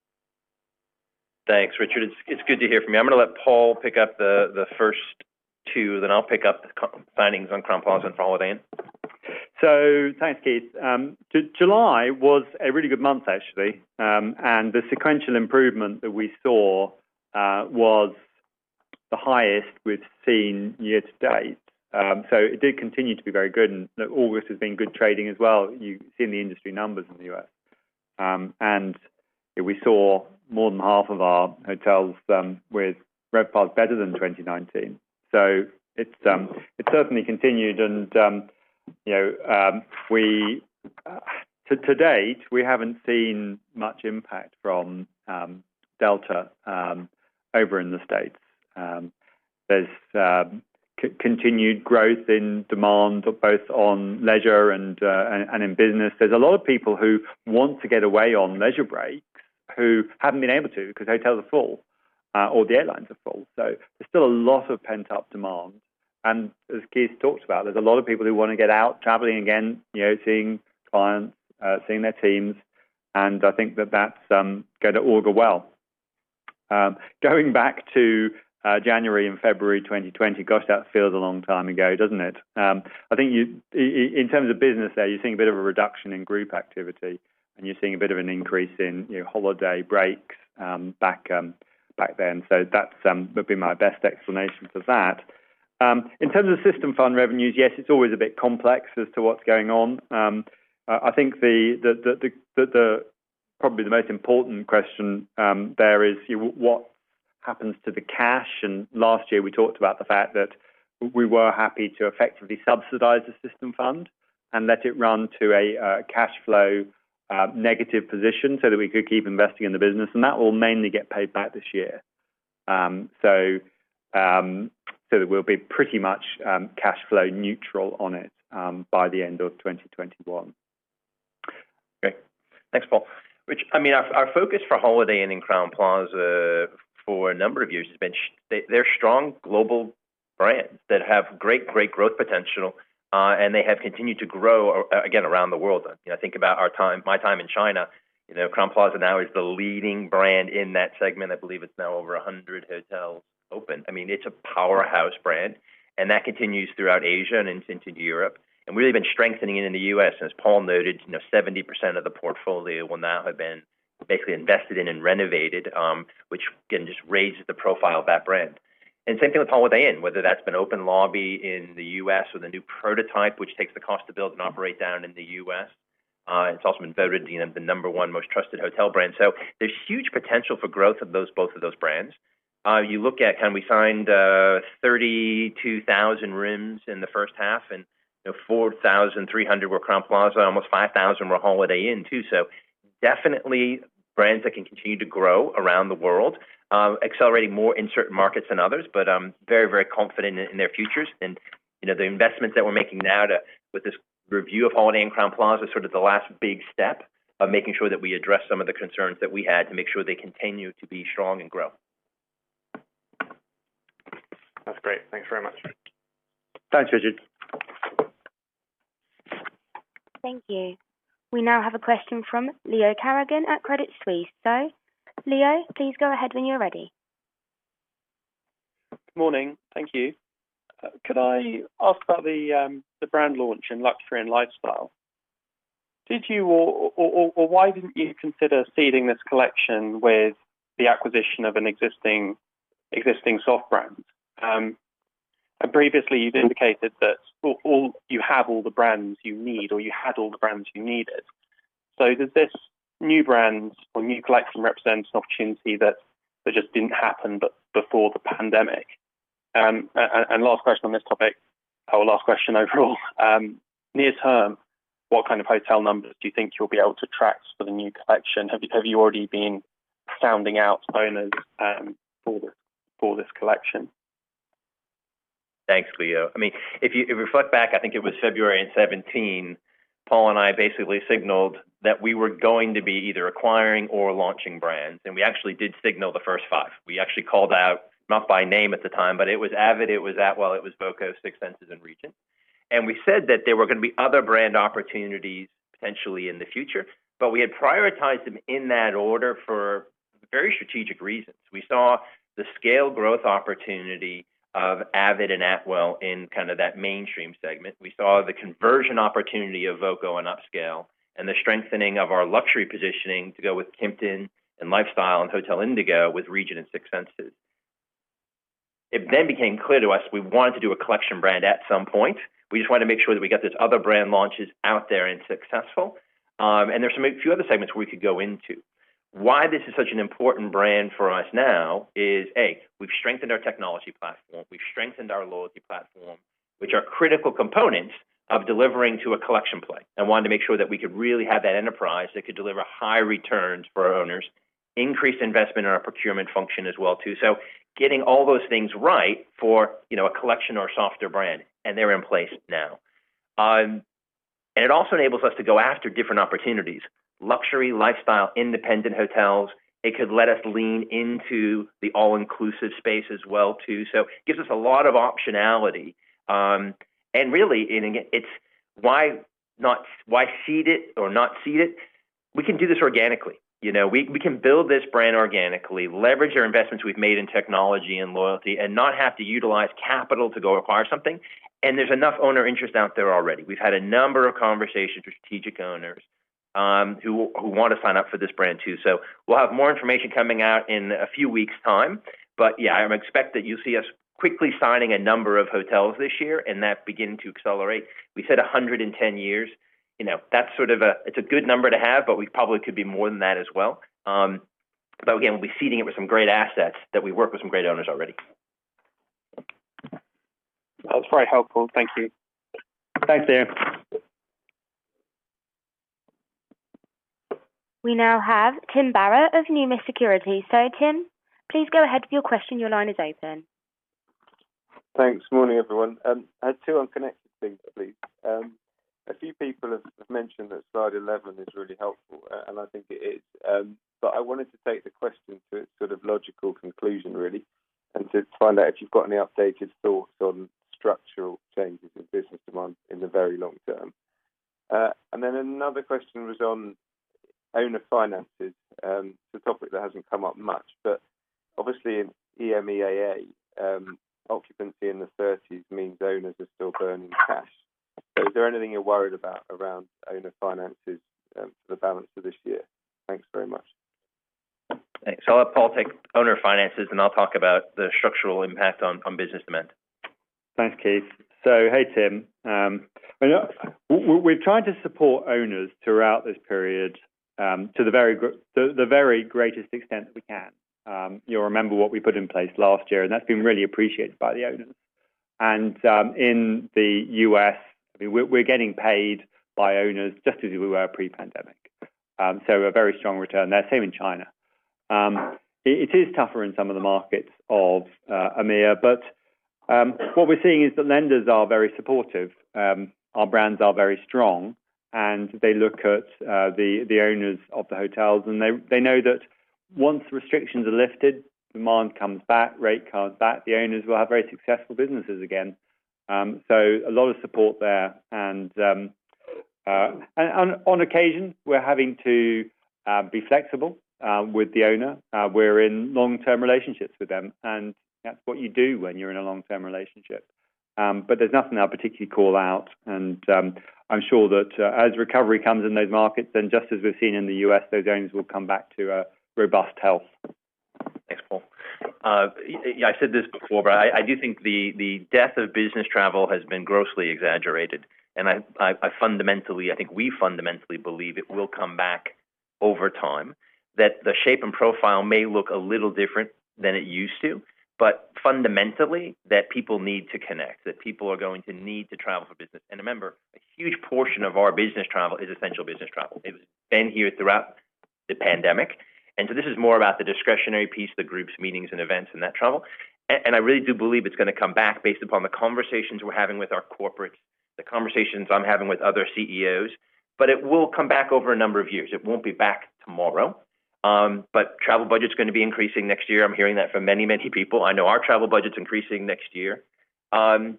Thanks, Richard. It's good to hear from you. I'm going to let Paul pick up the first two, then I'll pick up signings on Crowne Plaza and Holiday Inn. Thanks, Keith. July was a really good month, actually. The sequential improvement that we saw was the highest we've seen year to date. It did continue to be very good. August has been good trading as well. You've seen the industry numbers in the U.S. We saw more than half of our hotels with RevPARs better than 2019. It certainly continued. To date, we haven't seen much impact from Delta over in the States. There's continued growth in demand both on leisure and in business. There's a lot of people who want to get away on leisure breaks who haven't been able to because hotels are full or the airlines are full. There's still a lot of pent-up demand. As Keith talked about, there's a lot of people who want to get out traveling again, seeing clients, seeing their teams, and I think that that's going to all go well. Going back to January and February 2020, gosh, that feels a long time ago, doesn't it? I think in terms of business there, you're seeing a bit of a reduction in group activity and you're seeing a bit of an increase in holiday breaks back then. That would be my best explanation for that. In terms of system fund revenues, yes, it's always a bit complex as to what's going on. I think probably the most important question there is what happens to the cash? Last year, we talked about the fact that we were happy to effectively subsidize the system fund and let it run to a cash flow negative position so that we could keep investing in the business, and that will mainly get paid back this year. That we'll be pretty much cash flow neutral on it by the end of 2021. Okay. Thanks, Paul. I mean, our focus for Holiday Inn and Crowne Plaza for a number of years has been they're strong global Brands that have great growth potential, and they have continued to grow, again, around the world. I think about my time in China, Crowne Plaza now is the leading brand in that segment. I believe it's now over 100 hotels open. It's a powerhouse brand, and that continues throughout Asia and into Europe. We've really been strengthening it in the U.S. As Paul noted, 70% of the portfolio will now have been basically invested in and renovated, which again, just raises the profile of that brand. Same thing with Holiday Inn, whether that's been open lobby in the U.S. with a new prototype, which takes the cost to build and operate down in the U.S. It's also been voted the number one most trusted hotel brand. There's huge potential for growth of both of those brands. You look at, we signed 32,000 rooms in the first half, and 4,300 were Crowne Plaza, almost 5,000 were Holiday Inn, too. Definitely brands that can continue to grow around the world, accelerating more in certain markets than others, but very confident in their futures. The investments that we're making now with this review of Holiday Inn and Crowne Plaza is sort of the last big step of making sure that we address some of the concerns that we had to make sure they continue to be strong and grow. That's great. Thanks very much. Thanks, Richard. Thank you. We now have a question from Leo Carrington at Credit Suisse. Leo, please go ahead when you're ready. Good morning. Thank you. Could I ask about the brand launch in luxury and lifestyle? Did you, or why didn't you consider seeding this collection with the acquisition of an existing soft brand? Previously, you'd indicated that you have all the brands you need or you had all the brands you needed. Does this new brand or new collection represent an opportunity that just didn't happen before the pandemic? Last question on this topic, or last question overall. Near term, what kind of hotel numbers do you think you'll be able to track for the new collection? Have you already been sounding out owners for this collection? Thanks, Leo. If you reflect back, I think it was February in 2017, Paul and I basically signaled that we were going to be either acquiring or launching brands, and we actually did signal the first five. We actually called out, not by name at the time, but it was Avid, it was Atwell, it was Voco, Six Senses, and Regent. We said that there were going to be other brand opportunities potentially in the future, but we had prioritized them in that order for very strategic reasons. We saw the scale growth opportunity of Avid and Atwell in that mainstream segment. We saw the conversion opportunity of Voco and upscale, and the strengthening of our luxury positioning to go with Kimpton and Lifestyle and Hotel Indigo with Regent and Six Senses. It then became clear to us we wanted to do a collection brand at some point. We just wanted to make sure that we got these other brand launches out there and successful. There's a few other segments we could go into. Why this is such an important brand for us now is, A, we've strengthened our technology platform, we've strengthened our loyalty platform, which are critical components of delivering to a collection play, and wanted to make sure that we could really have that enterprise that could deliver high returns for our owners, increased investment in our procurement function as well too. Getting all those things right for a collection or a softer brand, and they're in place now. It also enables us to go after different opportunities, luxury, lifestyle, independent hotels. It could let us lean into the all-inclusive space as well too. It gives us a lot of optionality. Really, why seed it or not seed it? We can do this organically. We can build this brand organically, leverage our investments we've made in technology and loyalty, and not have to utilize capital to go acquire something. There's enough owner interest out there already. We've had a number of conversations with strategic owners who want to sign up for this brand too. We'll have more information coming out in a few weeks' time. Yeah, I expect that you'll see us quickly signing a number of hotels this year and that beginning to accelerate. We said 100 in 10 years. It's a good number to have, but we probably could be more than that as well. Again, we'll be seeding it with some great assets that we work with some great owners already. That was very helpful. Thank you. Thanks, Leo. We now have Tim Barrett of Numis Securities. Tim, please go ahead with your question. Your line is open. Thanks. Morning, everyone. I had two unconnected things, please. A few people have mentioned that Slide 11 is really helpful, and I think it is. I wanted to take the question to its sort of logical conclusion, really, and to find out if you've got any updated thoughts on structural changes in business demand in the very long term. Another question was on owner finances. It's a topic that hasn't come up much, but obviously in EMEA, occupancy in the 30s means owners are still burning cash. Is there anything you're worried about around owner finances for the balance of this year? Thanks very much. Thanks. I'll have Paul take owner finances, and I'll talk about the structural impact on business demand. Thanks, Keith Barr. Hey, Tim Barrett. We're trying to support owners throughout this period to the very greatest extent that we can. You'll remember what we put in place last year, and that's been really appreciated by the owners. In the U.S., we're getting paid by owners just as we were pre-pandemic. A very strong return there. Same in China. It is tougher in some of the markets of EMEAA, but what we're seeing is the lenders are very supportive. Our brands are very strong, and they look at the owners of the hotels, and they know that once restrictions are lifted, demand comes back, rate comes back, the owners will have very successful businesses again. A lot of support there. On occasion, we're having to be flexible with the owner. We're in long-term relationships with them, and that's what you do when you're in a long-term relationship. There's nothing I'll particularly call out, and I'm sure that as recovery comes in those markets, then just as we've seen in the U.S., those owners will come back to a robust health. Thanks, Paul. Yeah, I said this before, but I do think the death of business travel has been grossly exaggerated, and I fundamentally, I think we fundamentally believe it will come back over time. The shape and profile may look a little different than it used to, but fundamentally, that people need to connect, that people are going to need to travel for business. Remember, a huge portion of our business travel is essential business travel. It's been here throughout the pandemic, and so this is more about the discretionary piece, the groups, meetings, and events, and that travel. I really do believe it's going to come back based upon the conversations we're having with our corporates, the conversations I'm having with other CEOs. It will come back over a number of years. It won't be back tomorrow. Travel budget's going to be increasing next year. I'm hearing that from many, many people. I know our travel budget's increasing next year.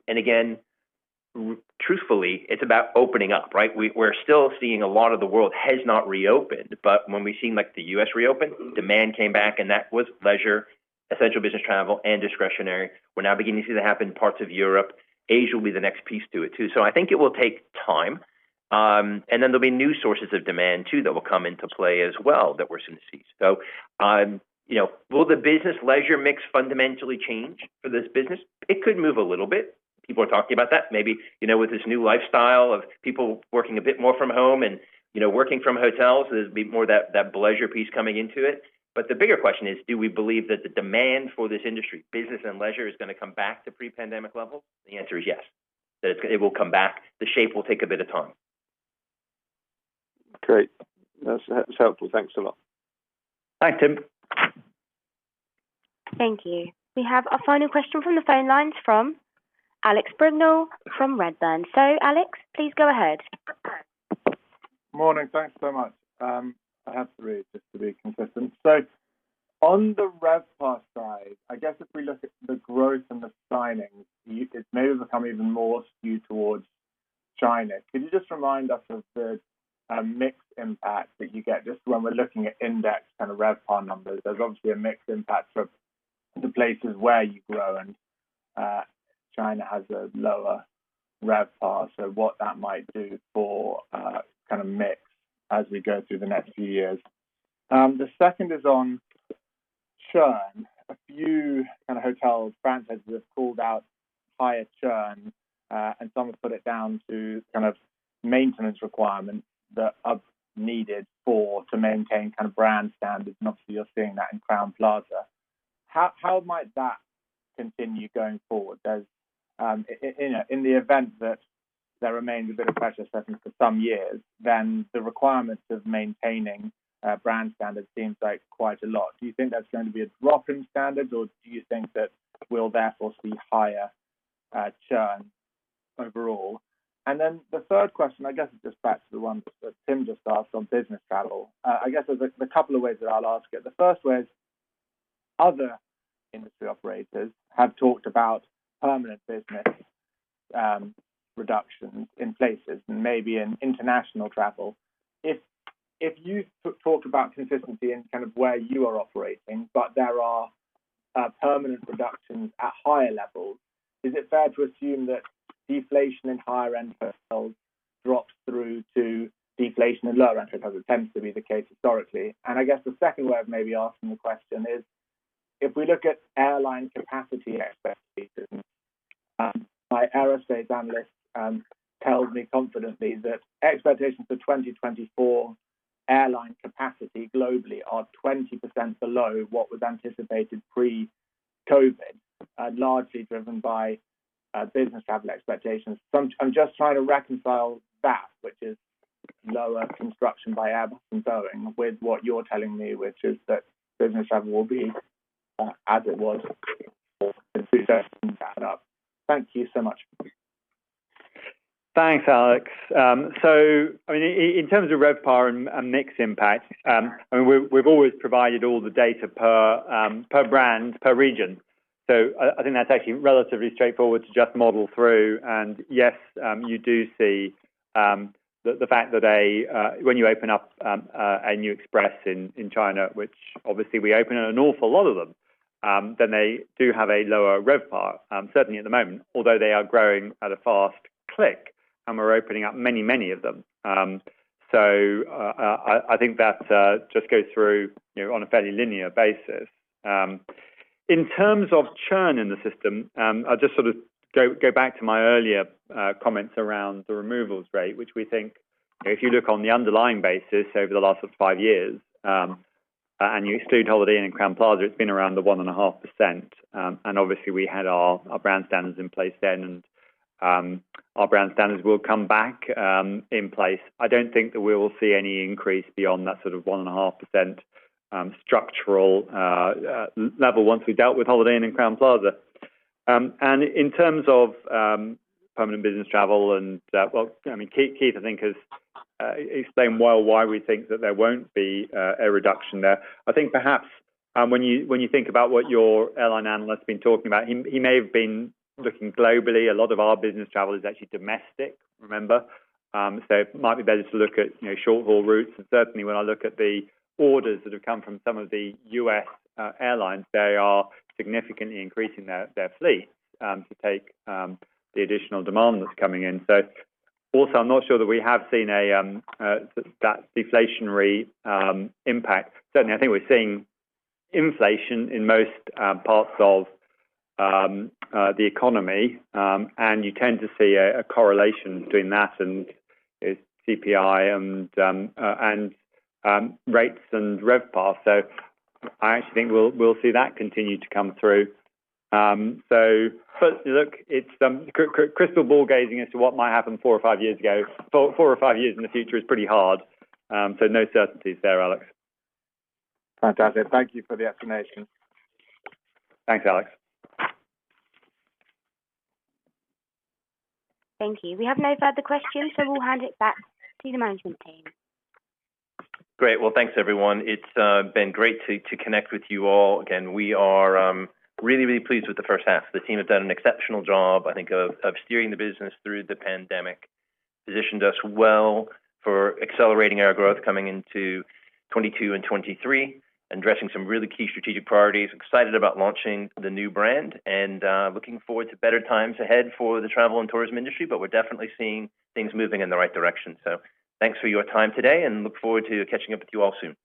Again, truthfully, it's about opening up, right? We're still seeing a lot of the world has not reopened, but when we've seen the U.S. reopen, demand came back, and that was leisure, essential business travel, and discretionary. We're now beginning to see that happen in parts of Europe. Asia will be the next piece to it, too. I think it will take time. Then there'll be new sources of demand, too, that will come into play as well that we're soon to see. Will the business leisure mix fundamentally change for this business? It could move a little bit. People are talking about that. With this new lifestyle of people working a bit more from home and working from hotels, there'd be more of that leisure piece coming into it. The bigger question is, do we believe that the demand for this industry, business and leisure, is going to come back to pre-pandemic levels? The answer is yes. It will come back. The shape will take a bit of time. Great. That's helpful. Thanks a lot. Thanks, Tim. Thank you. We have a final question from the phone lines from Alex Brignall from Redburn. Alex, please go ahead. Morning. Thanks so much. I have three, just to be consistent. On the RevPAR side, I guess if we look at the growth and the signings, it may have become even more skewed towards China. Can you just remind us of the mixed impact that you get, just when we're looking at index kind of RevPAR numbers? There's obviously a mixed impact for the places where you grow and China has a lower RevPAR, so what that might do for mix as we go through the next few years. The second is on churn. A few hotel franchises have called out higher churn, and some have put it down to maintenance requirements that are needed to maintain brand standards, and obviously you're seeing that in Crowne Plaza. How might that continue going forward? In the event that there remains a bit of pressure, certainly for some years, then the requirements of maintaining brand standards seems like quite a lot. Do you think there's going to be a drop in standards, or do you think that we'll therefore see higher churn overall? The third question, I guess, is just back to the one that Tim just asked on business travel. I guess there's a couple of ways that I'll ask it. The first way is, other industry operators have talked about permanent business reduction in places, and maybe in international travel. If you've talked about consistency in where you are operating, but there are permanent reductions at higher levels, is it fair to assume that deflation in higher-end hotels drops through to deflation in lower-end hotels, as tends to be the case historically? I guess the second way of maybe asking the question is, if we look at airline capacity expectations, my aerospace analyst tells me confidently that expectations for 2024 airline capacity globally are 20% below what was anticipated pre-COVID, largely driven by business travel expectations. I'm just trying to reconcile that, which is lower construction by Airbus and Boeing, with what you're telling me, which is that business travel will be as it was before the pandemic. Thank you so much. Thanks, Alex. In terms of RevPAR and mix impact, we've always provided all the data per brand, per region. I think that's actually relatively straightforward to just model through, and yes, you do see the fact that when you open up a new Express in China, which obviously we open an awful lot of them, then they do have a lower RevPAR, certainly at the moment, although they are growing at a fast click and we're opening up many of them. I think that just goes through on a fairly linear basis. In terms of churn in the system, I'll just go back to my earlier comments around the removals rate, which we think if you look on the underlying basis over the last five years, and you exclude Holiday Inn and Crowne Plaza, it's been around the 1.5%, and obviously we had our brand standards in place then, and our brand standards will come back in place. I don't think that we will see any increase beyond that sort of 1.5% structural level once we've dealt with Holiday Inn and Crowne Plaza. In terms of permanent business travel. Well, Keith, I think, has explained well why we think that there won't be a reduction there. I think perhaps when you think about what your airline analyst's been talking about, he may have been looking globally. A lot of our business travel is actually domestic, remember. It might be better to look at short-haul routes, and certainly when I look at the orders that have come from some of the U.S. airlines, they are significantly increasing their fleet to take the additional demand that's coming in. Also, I'm not sure that we have seen that deflationary impact. Certainly, I think we're seeing inflation in most parts of the economy, and you tend to see a correlation between that and CPI and rates and RevPAR. I actually think we'll see that continue to come through. Look, crystal ball gazing as to what might happen four or five years in the future is pretty hard, so no certainties there, Alex. Fantastic. Thank you for the estimation. Thanks, Alex Brignall. Thank you. We have no further questions, so we'll hand it back to the management team. Great. Well, thanks everyone. It's been great to connect with you all again. We are really pleased with the first half. The team have done an exceptional job, I think, of steering the business through the pandemic. Positioned us well for accelerating our growth coming into 2022 and 2023, addressing some really key strategic priorities. Excited about launching the new brand, and looking forward to better times ahead for the travel and tourism industry, but we're definitely seeing things moving in the right direction. Thanks for your time today, and look forward to catching up with you all soon.